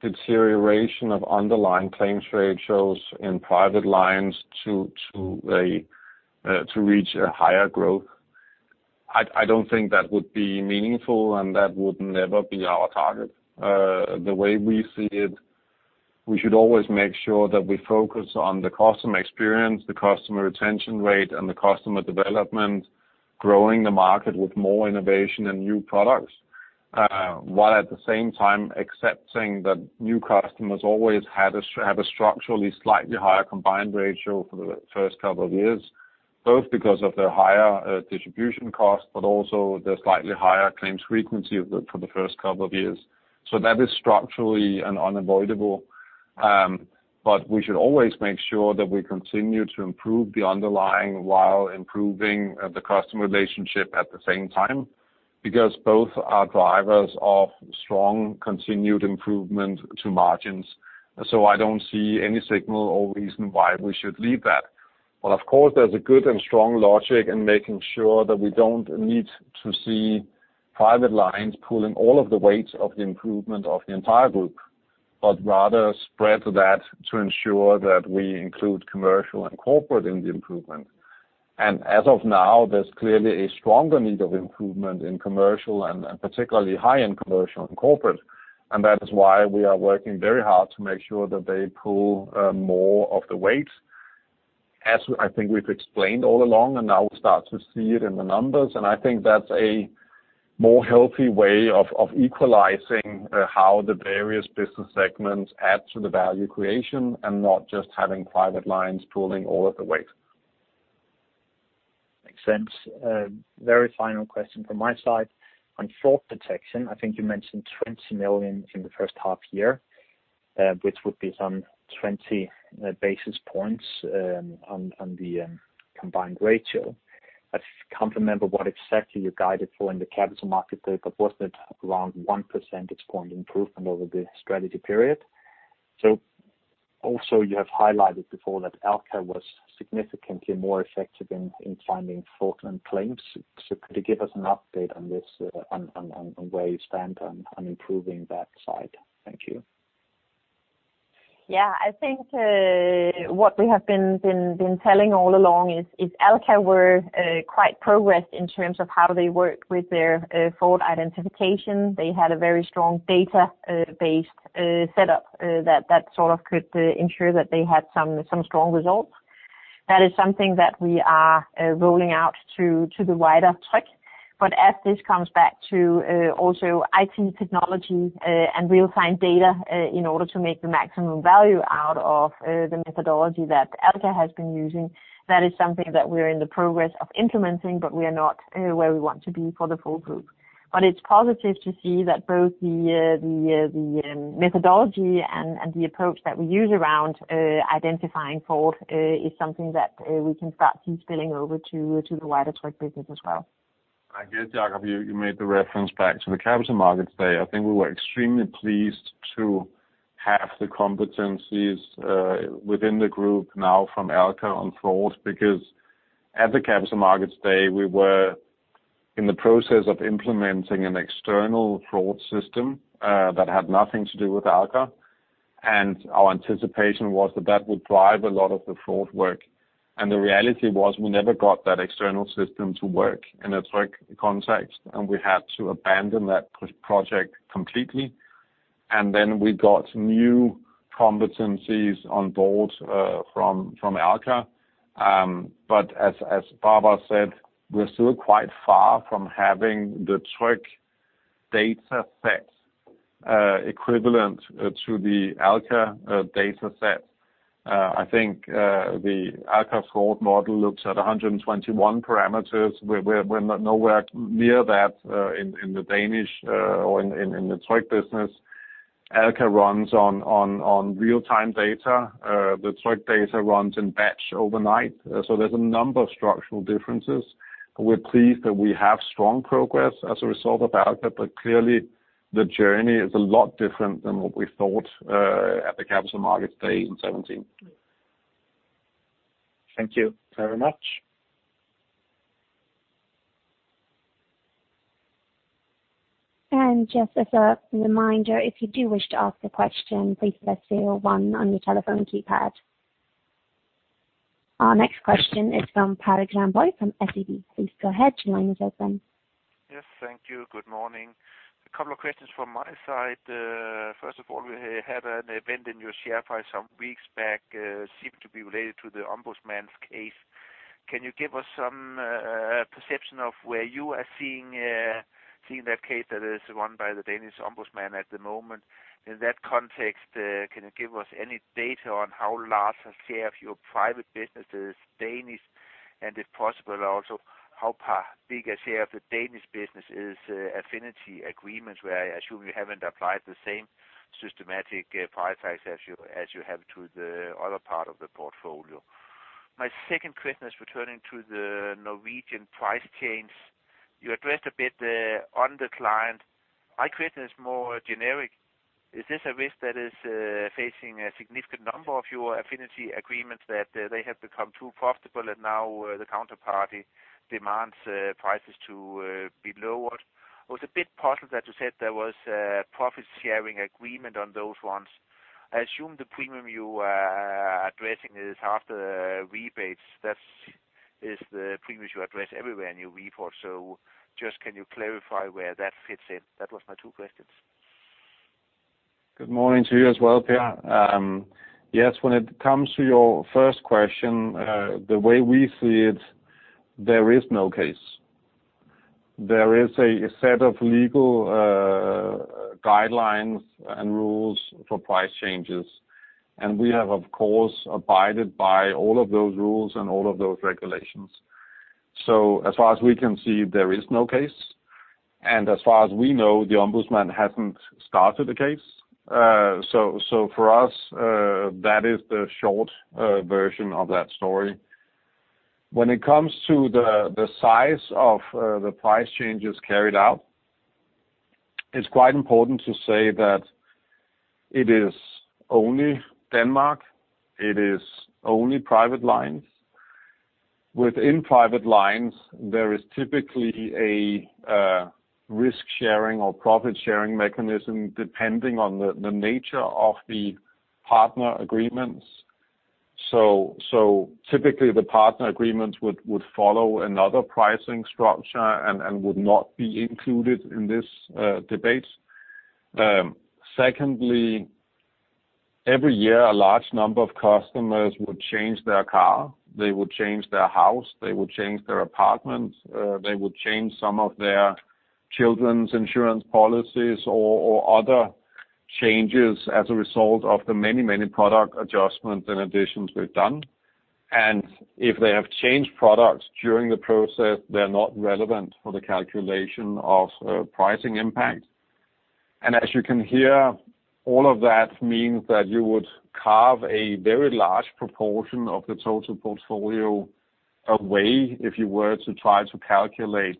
deterioration of underlying claims ratios in private lines to reach a higher growth? I don't think that would be meaningful, and that would never be our target. The way we see it, we should always make sure that we focus on the customer experience, the customer retention rate, and the customer development, growing the market with more innovation and new products, while at the same time accepting that new customers always have a structurally slightly higher combined ratio for the first couple of years, both because of their higher distribution costs, but also the slightly higher claims frequency for the first couple of years. So that is structurally unavoidable. But we should always make sure that we continue to improve the underlying while improving the customer relationship at the same time because both are drivers of strong continued improvement to margins. So I don't see any signal or reason why we should leave that. But of course, there's a good and strong logic in making sure that we don't need to see private lines pulling all of the weight of the improvement of the entire group, but rather spread that to ensure that we include commercial and corporate in the improvement. And as of now, there's clearly a stronger need of improvement in commercial and particularly high-end commercial and corporate. And that is why we are working very hard to make sure that they pull more of the weight, as I think we've explained all along, and now we start to see it in the numbers. And I think that's a more healthy way of equalizing how the various business segments add to the value creation and not just having private lines pulling all of the weight. Makes sense. Very final question from my side. On fraud protection, I think you mentioned 20 million in the first half year, which would be some 20 basis points on the combined ratio. I can't remember what exactly you guided for in the capital markets day, but wasn't it around 1 percentage point improvement over the strategy period? So also, you have highlighted before that Alka was significantly more effective in finding fraudulent claims. So could you give us an update on this and where you stand on improving that side? Thank you. Yeah. I think what we have been telling all along is Alka were quite progressed in terms of how they work with their fraud identification. They had a very strong data-based setup that sort of could ensure that they had some strong results. That is something that we are rolling out to the wider Tryg. But as this comes back to also IT technology and real-time data in order to make the maximum value out of the methodology that Alka has been using, that is something that we're in the process of implementing, but we are not where we want to be for the full group. But it's positive to see that both the methodology and the approach that we use around identifying fraud is something that we can start spilling over to the wider Tryg business as well. I guess, Jakob, you made the reference back to the capital markets day. I think we were extremely pleased to have the competencies within the group now from Alka on fraud because at the capital markets day, we were in the process of implementing an external fraud system that had nothing to do with Alka. Our anticipation was that that would drive a lot of the fraud work. The reality was we never got that external system to work in a Tryg context, and we had to abandon that project completely. Then we got new competencies on board from Alka. But as Barbara said, we're still quite far from having the Tryg data set equivalent to the Alka data set. I think the Alka fraud model looks at 121 parameters. We're nowhere near that in the Danish or in the Tryg business. Alka runs on real-time data. The Tryg data runs in batch overnight. So there's a number of structural differences. We're pleased that we have strong progress as a result of Alka, but clearly the journey is a lot different than what we thought at the capital markets day in 2017. Thank you very much. And just as a reminder, if you do wish to ask a question, please press zero one on your telephone keypad. Our next question is from Per Grønborg from SEB. Please go ahead. Your line is open. Yes. Thank you. Good morning. A couple of questions from my side. First of all, we had an event in your share price some weeks back that seemed to be related to the Ombudsman's case. Can you give us some perception of where you are seeing that case that is run by the Danish Ombudsman at the moment? In that context, can you give us any data on how large a share of your private business is Danish? And if possible, also how big a share of the Danish business is affinity agreements where I assume you haven't applied the same systematic price tags as you have to the other part of the portfolio. My second question is returning to the Norwegian price changes. You addressed a bit on the client. My question is more generic. Is this a risk that is facing a significant number of your affinity agreements that they have become too profitable, and now the counterparty demands prices to be lowered? I was a bit puzzled that you said there was a profit-sharing agreement on those ones. I assume the premium you are addressing is after rebates. That is the premiums you address everywhere in your report. So just can you clarify where that fits in? That was my two questions. Good morning to you as well, Per. Yes, when it comes to your first question, the way we see it, there is no case. There is a set of legal guidelines and rules for price changes. We have, of course, abided by all of those rules and all of those regulations. So as far as we can see, there is no case. And as far as we know, the Ombudsman hasn't started a case. So for us, that is the short version of that story. When it comes to the size of the price changes carried out, it's quite important to say that it is only Denmark. It is only private lines. Within private lines, there is typically a risk-sharing or profit-sharing mechanism depending on the nature of the partner agreements. So typically, the partner agreements would follow another pricing structure and would not be included in this debate. Secondly, every year, a large number of customers would change their car. They would change their house. They would change their apartment. They would change some of their children's insurance policies or other changes as a result of the many, many product adjustments and additions we've done. And if they have changed products during the process, they're not relevant for the calculation of pricing impact. And as you can hear, all of that means that you would carve a very large proportion of the total portfolio away if you were to try to calculate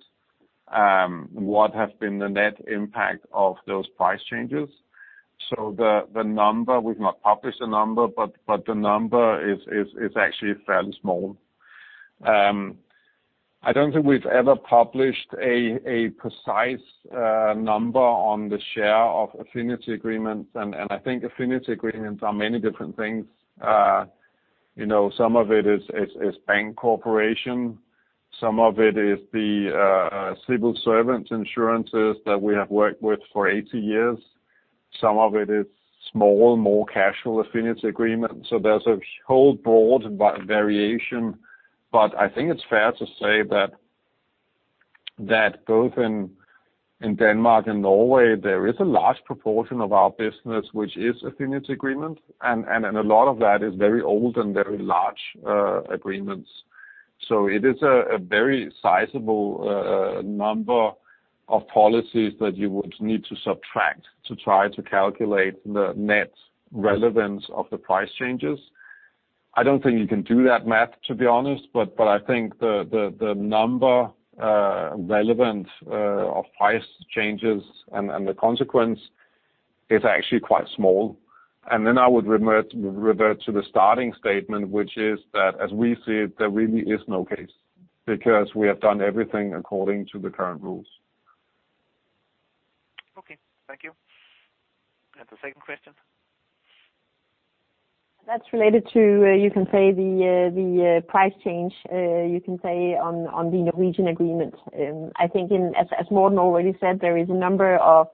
what has been the net impact of those price changes. So the number, we've not published the number, but the number is actually fairly small. I don't think we've ever published a precise number on the share of affinity agreements. And I think affinity agreements are many different things. Some of it is bank cooperation. Some of it is the civil servants' insurances that we have worked with for 80 years. Some of it is small, more casual affinity agreements. So there's a whole broad variation. But I think it's fair to say that both in Denmark and Norway, there is a large proportion of our business which is affinity agreements. And a lot of that is very old and very large agreements. So it is a very sizable number of policies that you would need to subtract to try to calculate the net relevance of the price changes. I don't think you can do that math, to be honest. But I think the number relevant of price changes and the consequence is actually quite small. And then I would revert to the starting statement, which is that as we see it, there really is no case because we have done everything according to the current rules. Okay. Thank you. And the second question. That's related to, you can say, the price change, you can say, on the Norwegian agreement. I think, as Morten already said, there is a number of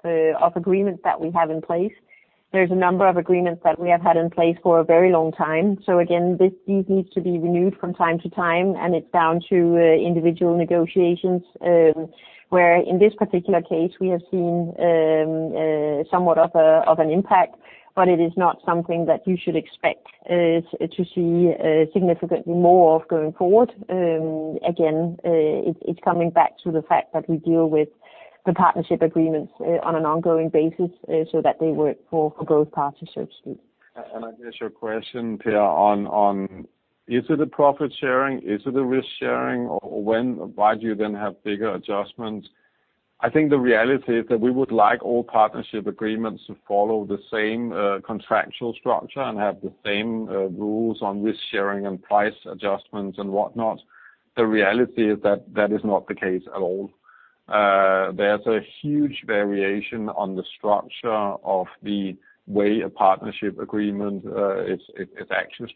agreements that we have in place. There's a number of agreements that we have had in place for a very long time. So again, these need to be renewed from time to time. It's down to individual negotiations where, in this particular case, we have seen somewhat of an impact. But it is not something that you should expect to see significantly more of going forward. Again, it's coming back to the fact that we deal with the partnership agreements on an ongoing basis so that they work for both parties, so to speak. I guess your question, Per, on is it a profit-sharing? Is it a risk-sharing? Why do you then have bigger adjustments? I think the reality is that we would like all partnership agreements to follow the same contractual structure and have the same rules on risk-sharing and price adjustments and whatnot. The reality is that that is not the case at all. There's a huge variation on the structure of the way a partnership agreement is actually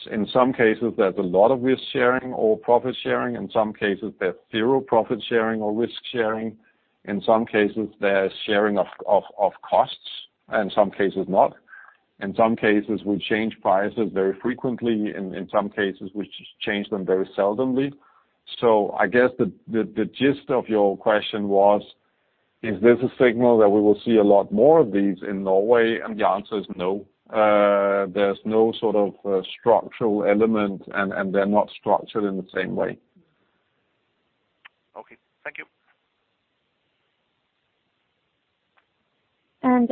structured. In some cases, there's a lot of risk-sharing or profit-sharing. In some cases, there's zero profit-sharing or risk-sharing. In some cases, there's sharing of costs. In some cases, not. In some cases, we change prices very frequently. In some cases, we change them very seldomly. So I guess the gist of your question was, is this a signal that we will see a lot more of these in Norway? And the answer is no. There's no sort of structural element, and they're not structured in the same way. Okay. Thank you.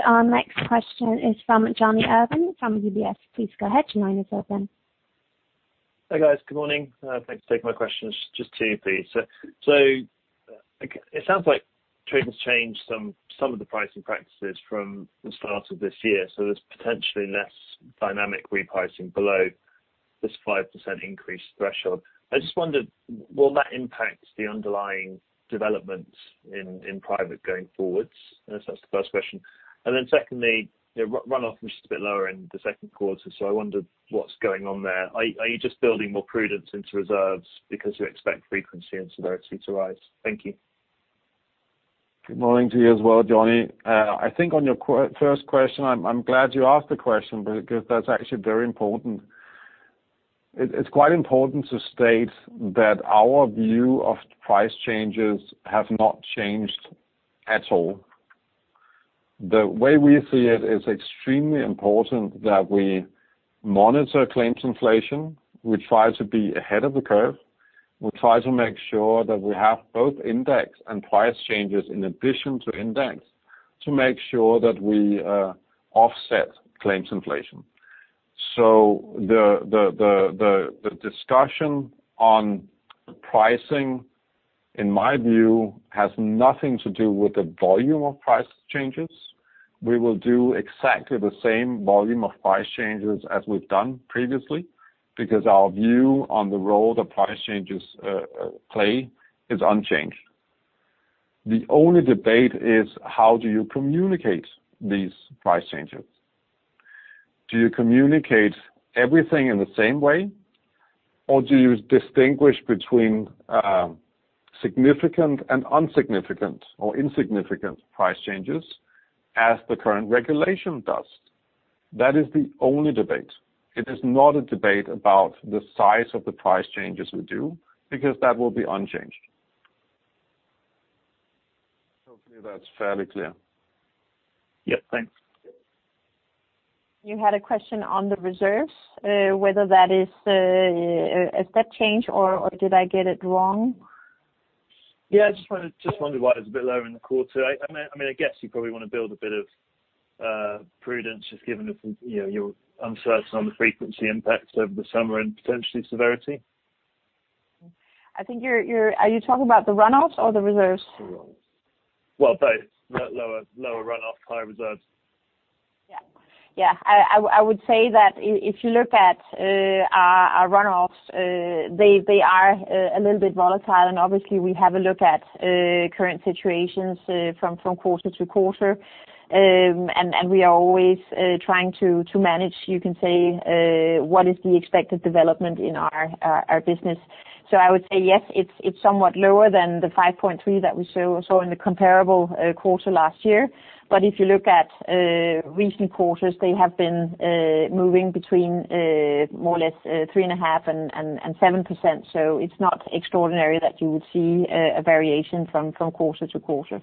Our next question is from Jonny Urwin from UBS. Please go ahead. Your line is open. Hi guys. Good morning. Thanks for taking my questions. Just two pieces. So it sounds like Tryg has changed some of the pricing practices from the start of this year. So there's potentially less dynamic repricing below this 5% increase threshold. I just wondered, will that impact the underlying developments in private lines going forwards? That's the first question. And then secondly, runoff was just a bit lower in the second quarter. So I wondered what's going on there. Are you just building more prudence into reserves because you expect frequency and severity to rise? Thank you. Good morning to you as well, Jonny. I think on your first question, I'm glad you asked the question because that's actually very important. It's quite important to state that our view of price changes has not changed at all. The way we see it is extremely important that we monitor claims inflation. We try to be ahead of the curve. We try to make sure that we have both index and price changes in addition to index to make sure that we offset claims inflation. So the discussion on pricing, in my view, has nothing to do with the volume of price changes. We will do exactly the same volume of price changes as we've done previously because our view on the role that price changes play is unchanged. The only debate is how do you communicate these price changes? Do you communicate everything in the same way, or do you distinguish between significant and insignificant price changes as the current regulation does? That is the only debate. It is not a debate about the size of the price changes we do because that will be unchanged. Hopefully, that's fairly clear. Yes. Thanks. You had a question on the reserves. Whether that is a step change or did I get it wrong? Yeah. I just wondered why it's a bit lower in the quarter. I mean, I guess you probably want to build a bit of prudence just given your uncertainty on the frequency impacts over the summer and potentially severity. I think, are you talking about the runoffs or the reserves? Well, both. Lower runoff, higher reserves. Yeah. Yeah. I would say that if you look at our runoffs, they are a little bit volatile. And obviously, we have a look at current situations from quarter to quarter. And we are always trying to manage, you can say, what is the expected development in our business. So I would say, yes, it's somewhat lower than the 5.3 that we saw in the comparable quarter last year. But if you look at recent quarters, they have been moving between more or less 3.5% and 7%. So it's not extraordinary that you would see a variation from quarter to quarter.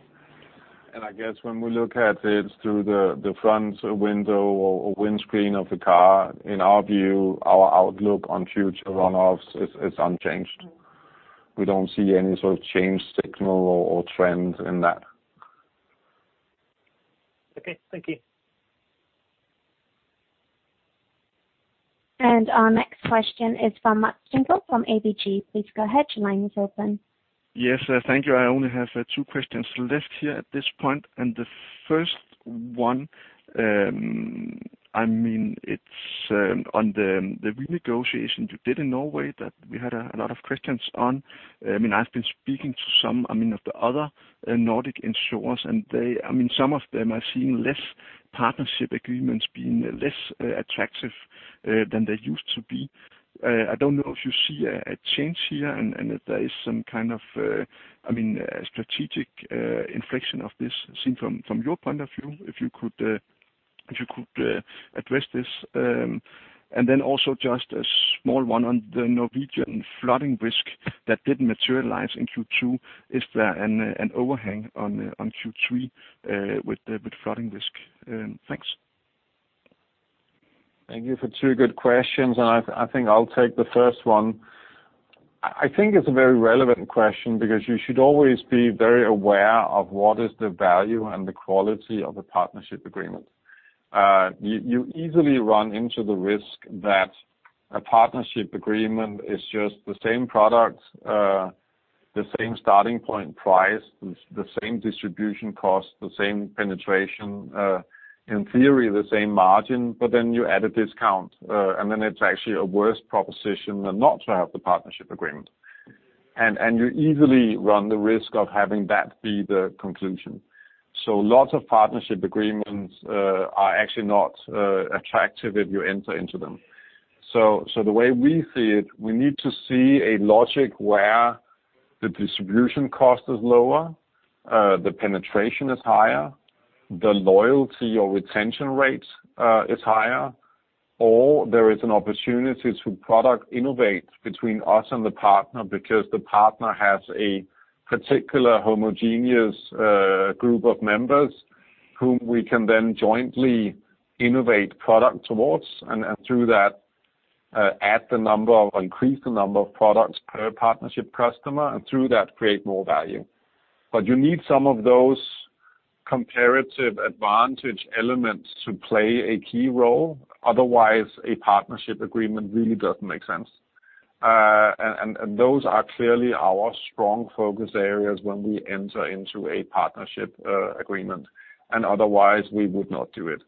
And I guess when we look at it through the front window or windscreen of the car, in our view, our outlook on future runoffs is unchanged. We don't see any sort of change signal or trend in that. Okay. Thank you. And our next question is from Mads Thinggaard from ABG. Please go ahead. Your line is open. Yes. Thank you. I only have two questions left here at this point. And the first one, I mean, it's on the renegotiation you did in Norway that we had a lot of questions on. I mean, I've been speaking to some, I mean, of the other Nordic insurers. And I mean, some of them are seeing less partnership agreements being less attractive than they used to be. I don't know if you see a change here and if there is some kind of, I mean, strategic inflection of this seen from your point of view, if you could address this. And then also just a small one on the Norwegian flooding risk that didn't materialize in Q2. Is there an overhang on Q3 with flooding risk? Thanks. Thank you for two good questions. I think I'll take the first one. I think it's a very relevant question because you should always be very aware of what is the value and the quality of a partnership agreement. You easily run into the risk that a partnership agreement is just the same product, the same starting point price, the same distribution cost, the same penetration, in theory, the same margin, but then you add a discount, and then it's actually a worse proposition than not to have the partnership agreement, and you easily run the risk of having that be the conclusion, so lots of partnership agreements are actually not attractive if you enter into them, so the way we see it, we need to see a logic where the distribution cost is lower, the penetration is higher, the loyalty or retention rate is higher, or there is an opportunity to product innovate between us and the partner because the partner has a particular homogeneous group of members whom we can then jointly innovate product towards. Through that, add the number or increase the number of products per partnership customer and through that create more value. But you need some of those comparative advantage elements to play a key role. Otherwise, a partnership agreement really doesn't make sense. And those are clearly our strong focus areas when we enter into a partnership agreement. And otherwise, we would not do it.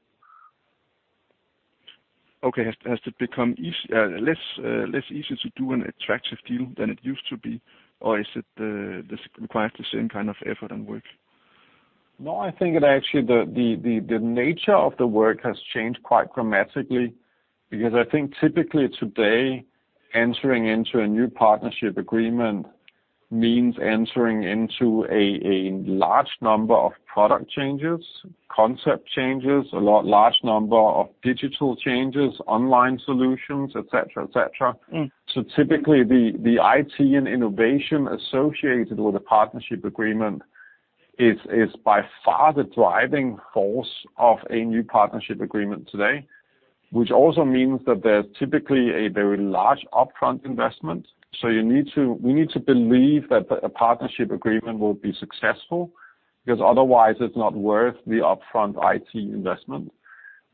Okay. Has it become less easy to do an attractive deal than it used to be? Or does it require the same kind of effort and work? No, I think actually the nature of the work has changed quite dramatically because I think typically today, entering into a new partnership agreement means entering into a large number of product changes, concept changes, a large number of digital changes, online solutions, etc., etc. Typically, the IT and innovation associated with a partnership agreement is by far the driving force of a new partnership agreement today, which also means that there's typically a very large upfront investment. So we need to believe that a partnership agreement will be successful because otherwise, it's not worth the upfront IT investment.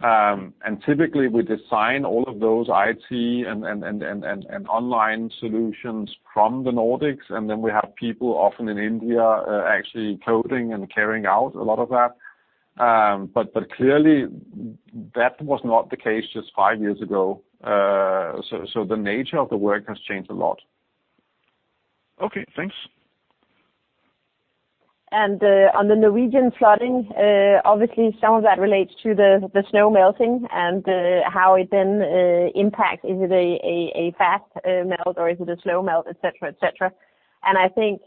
And typically, we design all of those IT and online solutions from the Nordics. And then we have people often in India actually coding and carrying out a lot of that. But clearly, that was not the case just five years ago. So the nature of the work has changed a lot. Okay. Thanks. And on the Norwegian flooding, obviously, some of that relates to the snow melting and how it then impacts. Is it a fast melt or is it a slow melt, etc., etc.? And I think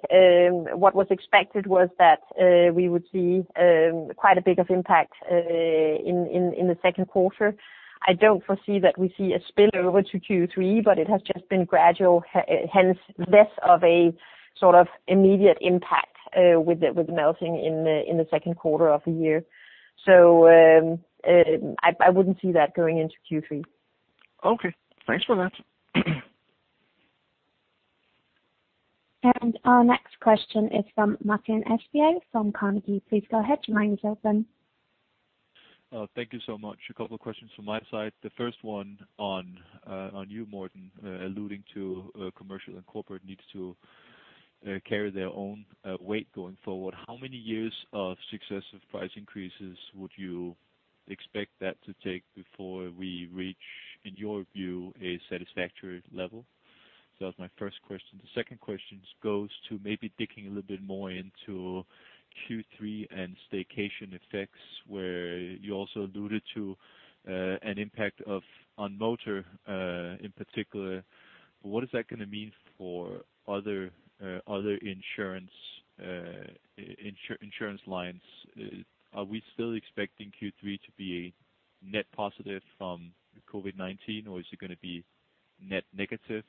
what was expected was that we would see quite a bit of impact in the second quarter. I don't foresee that we see a spillover to Q3, but it has just been gradual, hence less of a sort of immediate impact with the melting in the second quarter of the year. So I wouldn't see that going into Q3. Okay. Thanks for that. And our next question is from Martin [Gregers Birk] from Carnegie. Please go ahead. Your line is open. Thank you so much. A couple of questions from my side. The first one on you, Morten, alluding to commercial and corporate needs to carry their own weight going forward. How many years of successive price increases would you expect that to take before we reach, in your view, a satisfactory level? So that was my first question. The second question goes to maybe digging a little bit more into Q3 and staycation effects where you also alluded to an impact on motor in particular. What is that going to mean for other insurance lines? Are we still expecting Q3 to be a net positive from COVID-19, or is it going to be net negative?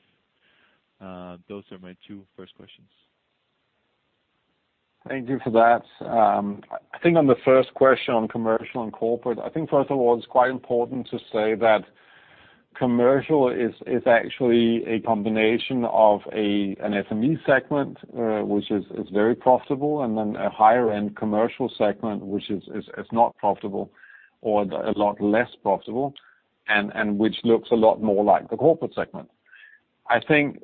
Those are my two first questions. Thank you for that. I think on the first question on commercial and corporate, I think first of all, it's quite important to say that commercial is actually a combination of an SME segment, which is very profitable, and then a higher-end commercial segment, which is not profitable or a lot less profitable, and which looks a lot more like the corporate segment. I think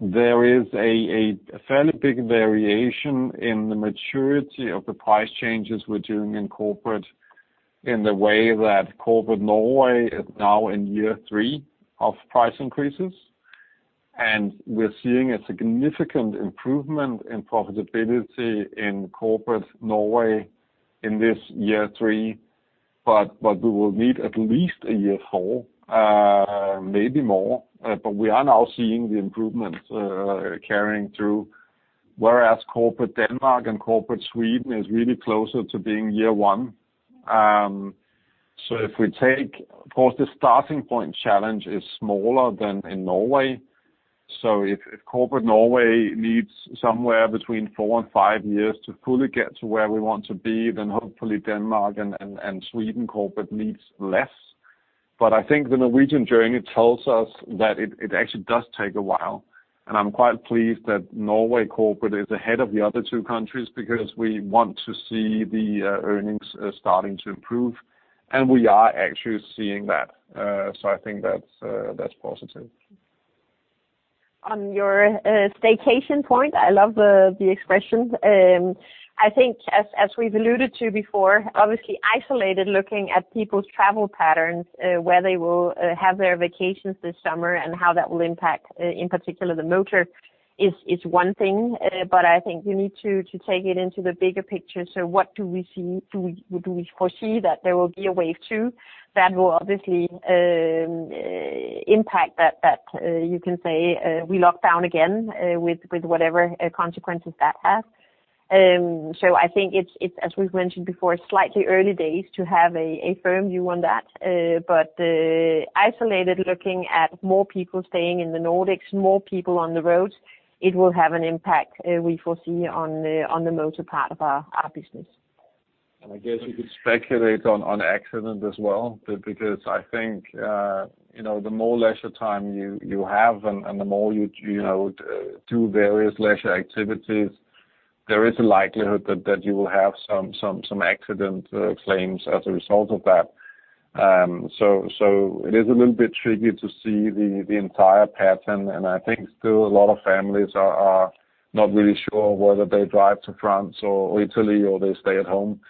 there is a fairly big variation in the maturity of the price changes we're doing in corporate in the way that corporate Norway is now in year three of price increases. And we're seeing a significant improvement in profitability in corporate Norway in this year three. But we will need at least a year four, maybe more. But we are now seeing the improvements carrying through, whereas corporate Denmark and corporate Sweden is really closer to being year one. So if we take of course, the starting point challenge is smaller than in Norway. So if corporate Norway needs somewhere between four and five years to fully get to where we want to be, then hopefully Denmark and Sweden corporate needs less. But I think the Norwegian journey tells us that it actually does take a while. I'm quite pleased that Norway corporate is ahead of the other two countries because we want to see the earnings starting to improve. We are actually seeing that. I think that's positive. On your staycation point, I love the expression. I think as we've alluded to before, obviously isolated looking at people's travel patterns, where they will have their vacations this summer and how that will impact in particular the motor is one thing. But I think you need to take it into the bigger picture. What do we see? Do we foresee that there will be a wave two that will obviously impact that you can say we lock down again with whatever consequences that has? I think it's, as we've mentioned before, slightly early days to have a firm view on that. But, isolated, looking at more people staying in the Nordics, more people on the roads, it will have an impact we foresee on the motor part of our business. And I guess you could speculate on accident as well because I think the more leisure time you have and the more you do various leisure activities, there is a likelihood that you will have some accident claims as a result of that. So it is a little bit tricky to see the entire pattern. And I think still a lot of families are not really sure whether they drive to France or Italy or they stay at home.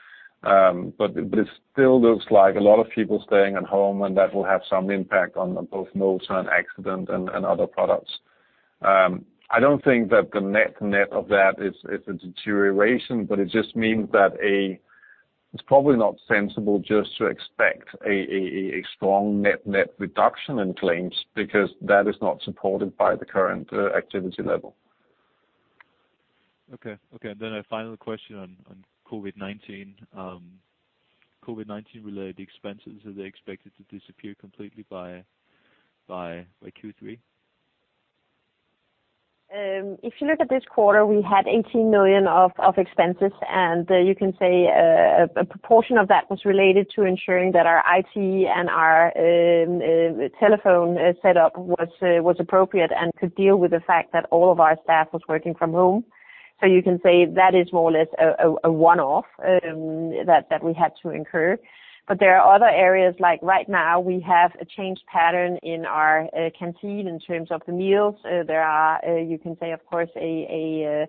But it still looks like a lot of people staying at home, and that will have some impact on both motor and accident and other products. I don't think that the net net of that is a deterioration, but it just means that it's probably not sensible just to expect a strong net net reduction in claims because that is not supported by the current activity level. Okay. Okay. Then a final question on COVID-19. COVID-19-related expenses, are they expected to disappear completely by Q3? If you look at this quarter, we had 18 million of expenses. And you can say a proportion of that was related to ensuring that our IT and our telephone setup was appropriate and could deal with the fact that all of our staff was working from home. So you can say that is more or less a one-off that we had to incur. But there are other areas like right now we have a changed pattern in our canteen in terms of the meals. There are, you can say, of course, a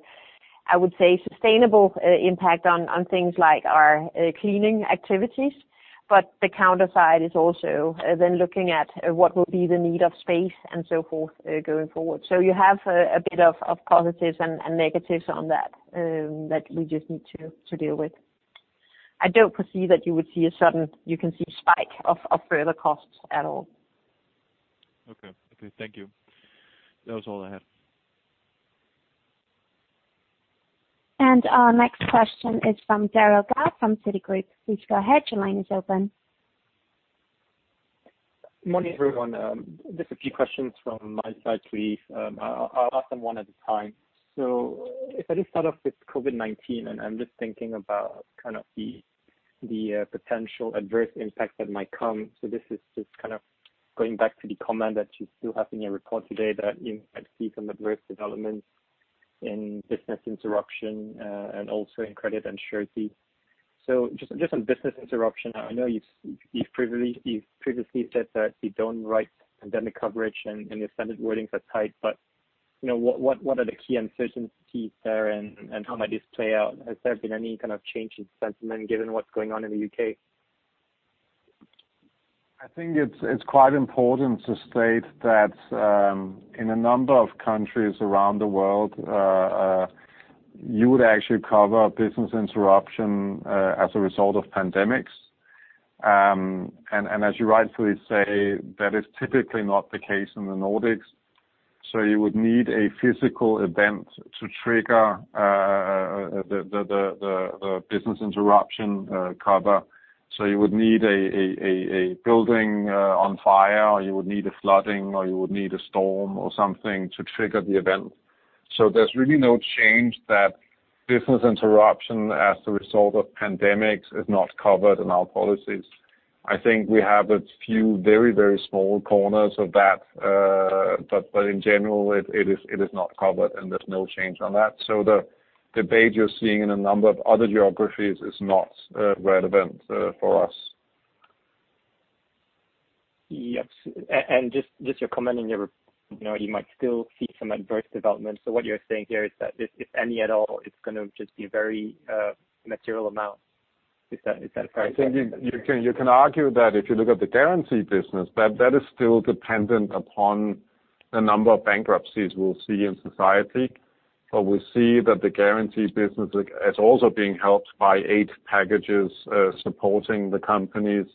I would say sustainable impact on things like our cleaning activities. But the counter side is also then looking at what will be the need of space and so forth going forward. So you have a bit of positives and negatives on that that we just need to deal with. I don't foresee that you would see a sudden you can see spike of further costs at all. Okay. Okay. Thank you. That was all I had. And our next question is from Derald Goh from Citigroup. Please go ahead. Your line is open. Morning, everyone. Just a few questions from my side to leave. I'll ask them one at a time. So if I just start off with COVID-19, and I'm just thinking about kind of the potential adverse impact that might come. So this is just kind of going back to the comment that you still have in your report today that you might see some adverse developments in business interruption and also in credit and surety. So just on business interruption, I know you've previously said that you don't write pandemic coverage and your standard wordings are tight. But what are the key uncertainties there and how might this play out? Has there been any kind of change in sentiment given what's going on in the U.K.? I think it's quite important to state that in a number of countries around the world, you would actually cover business interruption as a result of pandemics. And as you rightfully say, that is typically not the case in the Nordics. So you would need a physical event to trigger the business interruption cover. So you would need a building on fire, or you would need a flooding, or you would need a storm or something to trigger the event. So there's really no change that business interruption as a result of pandemics is not covered in our policies. I think we have a few very, very small corners of that. But in general, it is not covered and there's no change on that. So the debate you're seeing in a number of other geographies is not relevant for us. Yes. You might still see some adverse developments. So what you're saying here is that if any at all, it's going to just be very immaterial amount. Is that correct? I think you can argue that if you look at the guarantee business, that is still dependent upon the number of bankruptcies we'll see in society. But we see that the guarantee business is also being helped by eight packages supporting the companies.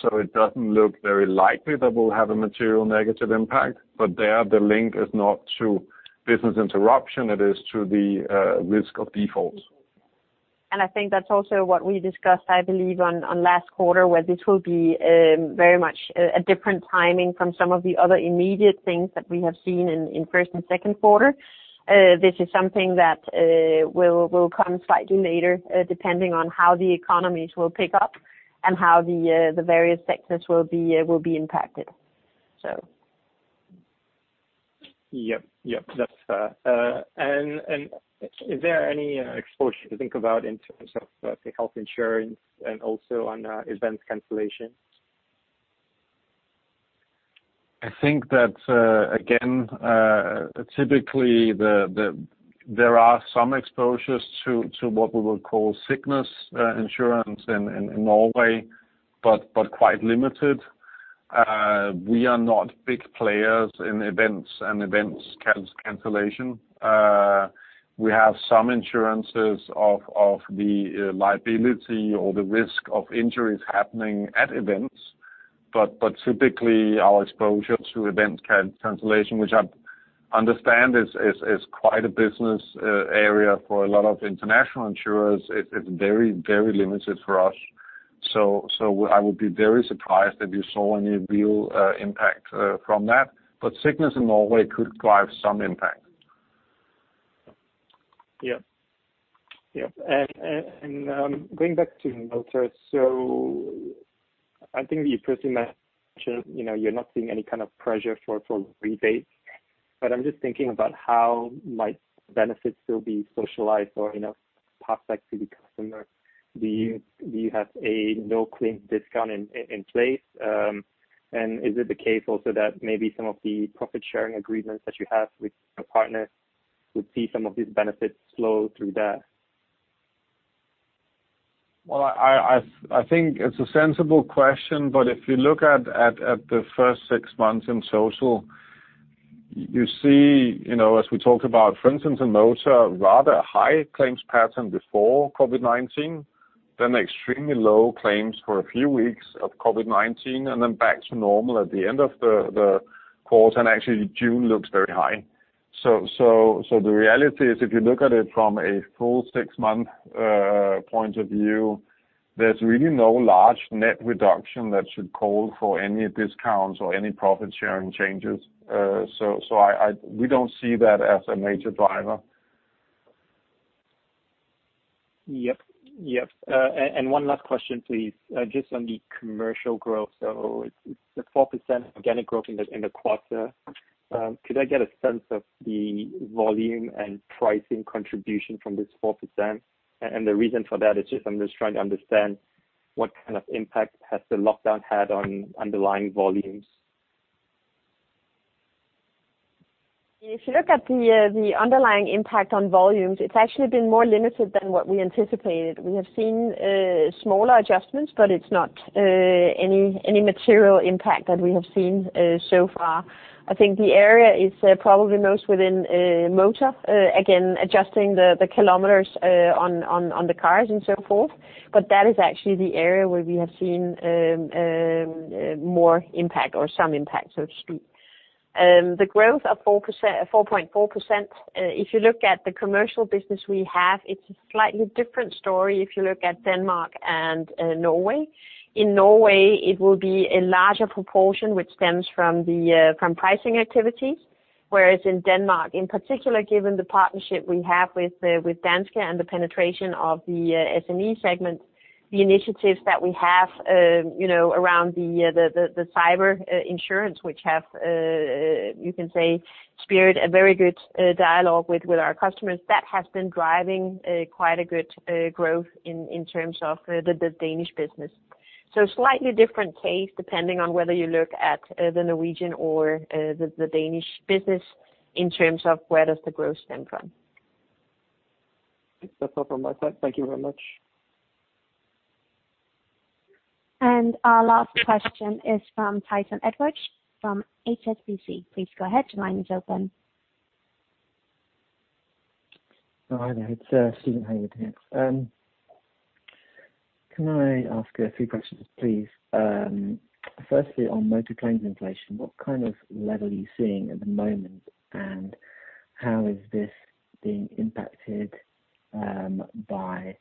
So it doesn't look very likely that we'll have a material negative impact. But there, the link is not to business interruption. It is to the risk of default. And I think that's also what we discussed, I believe, on last quarter, where this will be very much a different timing from some of the other immediate things that we have seen in first and second quarter. This is something that will come slightly later depending on how the economies will pick up and how the various sectors will be impacted, so. Yep. Yep. That's fair. And is there any exposure to think about in terms of the health insurance and also on event cancellation? I think that, again, typically there are some exposures to what we will call sickness insurance in Norway, but quite limited. We are not big players in events and event cancellation. We have some insurances of the liability or the risk of injuries happening at events. But typically, our exposure to event cancellation, which I understand is quite a business area for a lot of international insurers, is very, very limited for us. So I would be very surprised if you saw any real impact from that. But sickness in Norway could drive some impact. Yep. Yep. And going back to motors, so I think you previously mentioned you're not seeing any kind of pressure for rebates. But I'm just thinking about how might benefits still be socialized or pass back to the customer. Do you have a no-claim discount in place? Is it the case also that maybe some of the profit-sharing agreements that you have with your partners would see some of these benefits flow through that? Well, I think it's a sensible question. But if you look at the first six months in total, you see, as we talk about, for instance, in motor, rather high claims pattern before COVID-19, then extremely low claims for a few weeks of COVID-19, and then back to normal at the end of the quarter. And actually, June looks very high. So the reality is, if you look at it from a full six-month point of view, there's really no large net reduction that should call for any discounts or any profit-sharing changes. So we don't see that as a major driver. Yep. Yep. And one last question, please, just on the commercial growth. It's a 4% organic growth in the quarter. Could I get a sense of the volume and pricing contribution from this 4%? The reason for that is just I'm just trying to understand what kind of impact has the lockdown had on underlying volumes. If you look at the underlying impact on volumes, it's actually been more limited than what we anticipated. We have seen smaller adjustments, but it's not any material impact that we have seen so far. I think the area is probably most within motor, again, adjusting the kilometers on the cars and so forth. But that is actually the area where we have seen more impact or some impact, so to speak. The growth of 4.4%, if you look at the commercial business we have, it's a slightly different story if you look at Denmark and Norway. In Norway, it will be a larger proportion, which stems from pricing activities. Whereas in Denmark, in particular, given the partnership we have with Danske and the penetration of the SME segment, the initiatives that we have around the cyber insurance, which have, you can say, spurred a very good dialogue with our customers, that has been driving quite a good growth in terms of the Danish business. So slightly different case depending on whether you look at the Norwegian or the Danish business in terms of where does the growth stem from. That's all from my side. Thank you very much. And our last question is from Tyson Edwards from HSBC. Please go ahead. Your line is open. Hi, there. It's Steven Haywood here. Can I ask a few questions, please? Firstly, on motor claims inflation, what kind of level are you seeing at the moment? How is this being impacted by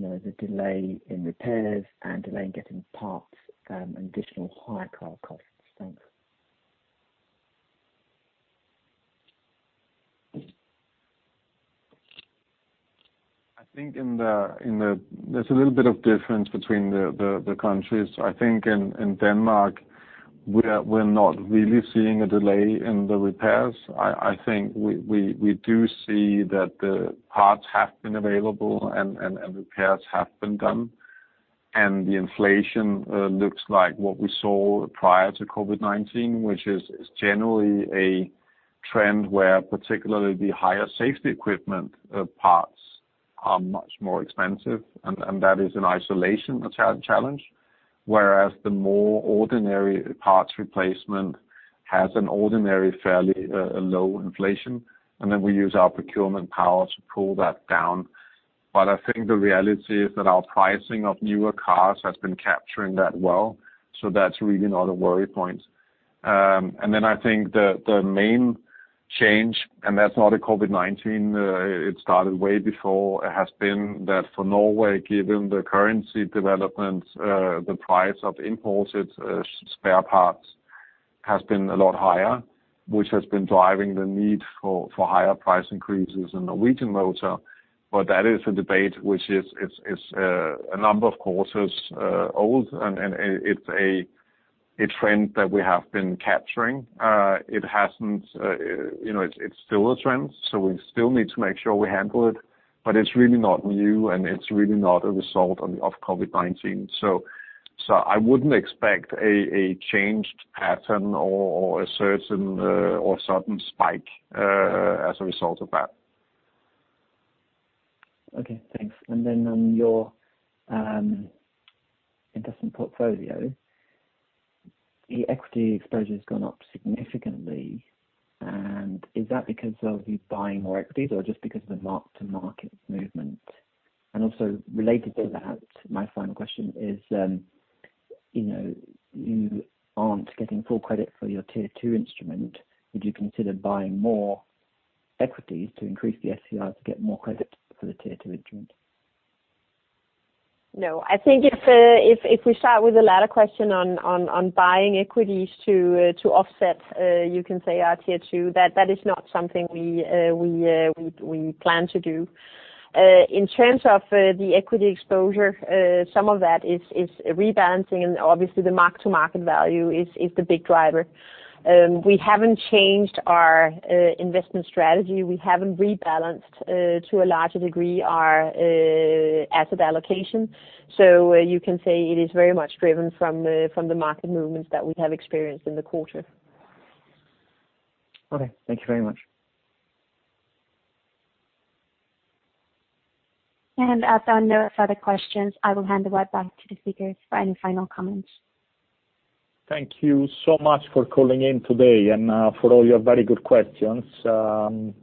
the delay in repairs and delay in getting parts and additional higher car costs? Thanks. I think there's a little bit of difference between the countries. I think in Denmark, we're not really seeing a delay in the repairs. I think we do see that the parts have been available and repairs have been done. And the inflation looks like what we saw prior to COVID-19, which is generally a trend where particularly the higher safety equipment parts are much more expensive. And that is in isolation a challenge. Whereas the more ordinary parts replacement has an ordinary fairly low inflation. And then we use our procurement power to pull that down. But I think the reality is that our pricing of newer cars has been capturing that well. So that's really not a worry point. And then I think the main change, and that's not a COVID-19. It started way before. It has been that for Norway, given the currency development, the price of imported spare parts has been a lot higher, which has been driving the need for higher price increases in Norwegian motor. But that is a debate which is a number of quarters old, and it's a trend that we have been capturing. It hasn't, it's still a trend. So we still need to make sure we handle it. But it's really not new, and it's really not a result of COVID-19. So I wouldn't expect a changed pattern or a certain or sudden spike as a result of that. Okay. Thanks. And then on your investment portfolio, the equity exposure has gone up significantly. And is that because of you buying more equities or just because of the mark-to-market movement? And also related to that, my final question is, you aren't getting full credit for your Tier 2 instrument. Would you consider buying more equities to increase the SCR to get more credit for the Tier 2 instrument? No. I think if we start with the latter question on buying equities to offset, you can say, our Tier 2, that is not something we plan to do. In terms of the equity exposure, some of that is rebalancing. And obviously, the mark-to-market value is the big driver. We haven't changed our investment strategy. We haven't rebalanced to a larger degree our asset allocation. So you can say it is very much driven from the market movements that we have experienced in the quarter. Okay. Thank you very much. And as we have no further questions, I will hand the word back to the speakers for any final comments. Thank you so much for calling in today and for all your very good questions.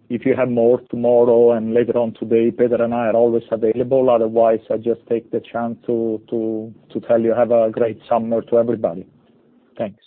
If you have more tomorrow and later on today, Peter and I are always available. Otherwise, I just take the chance to tell you have a great summer to everybody. Thanks.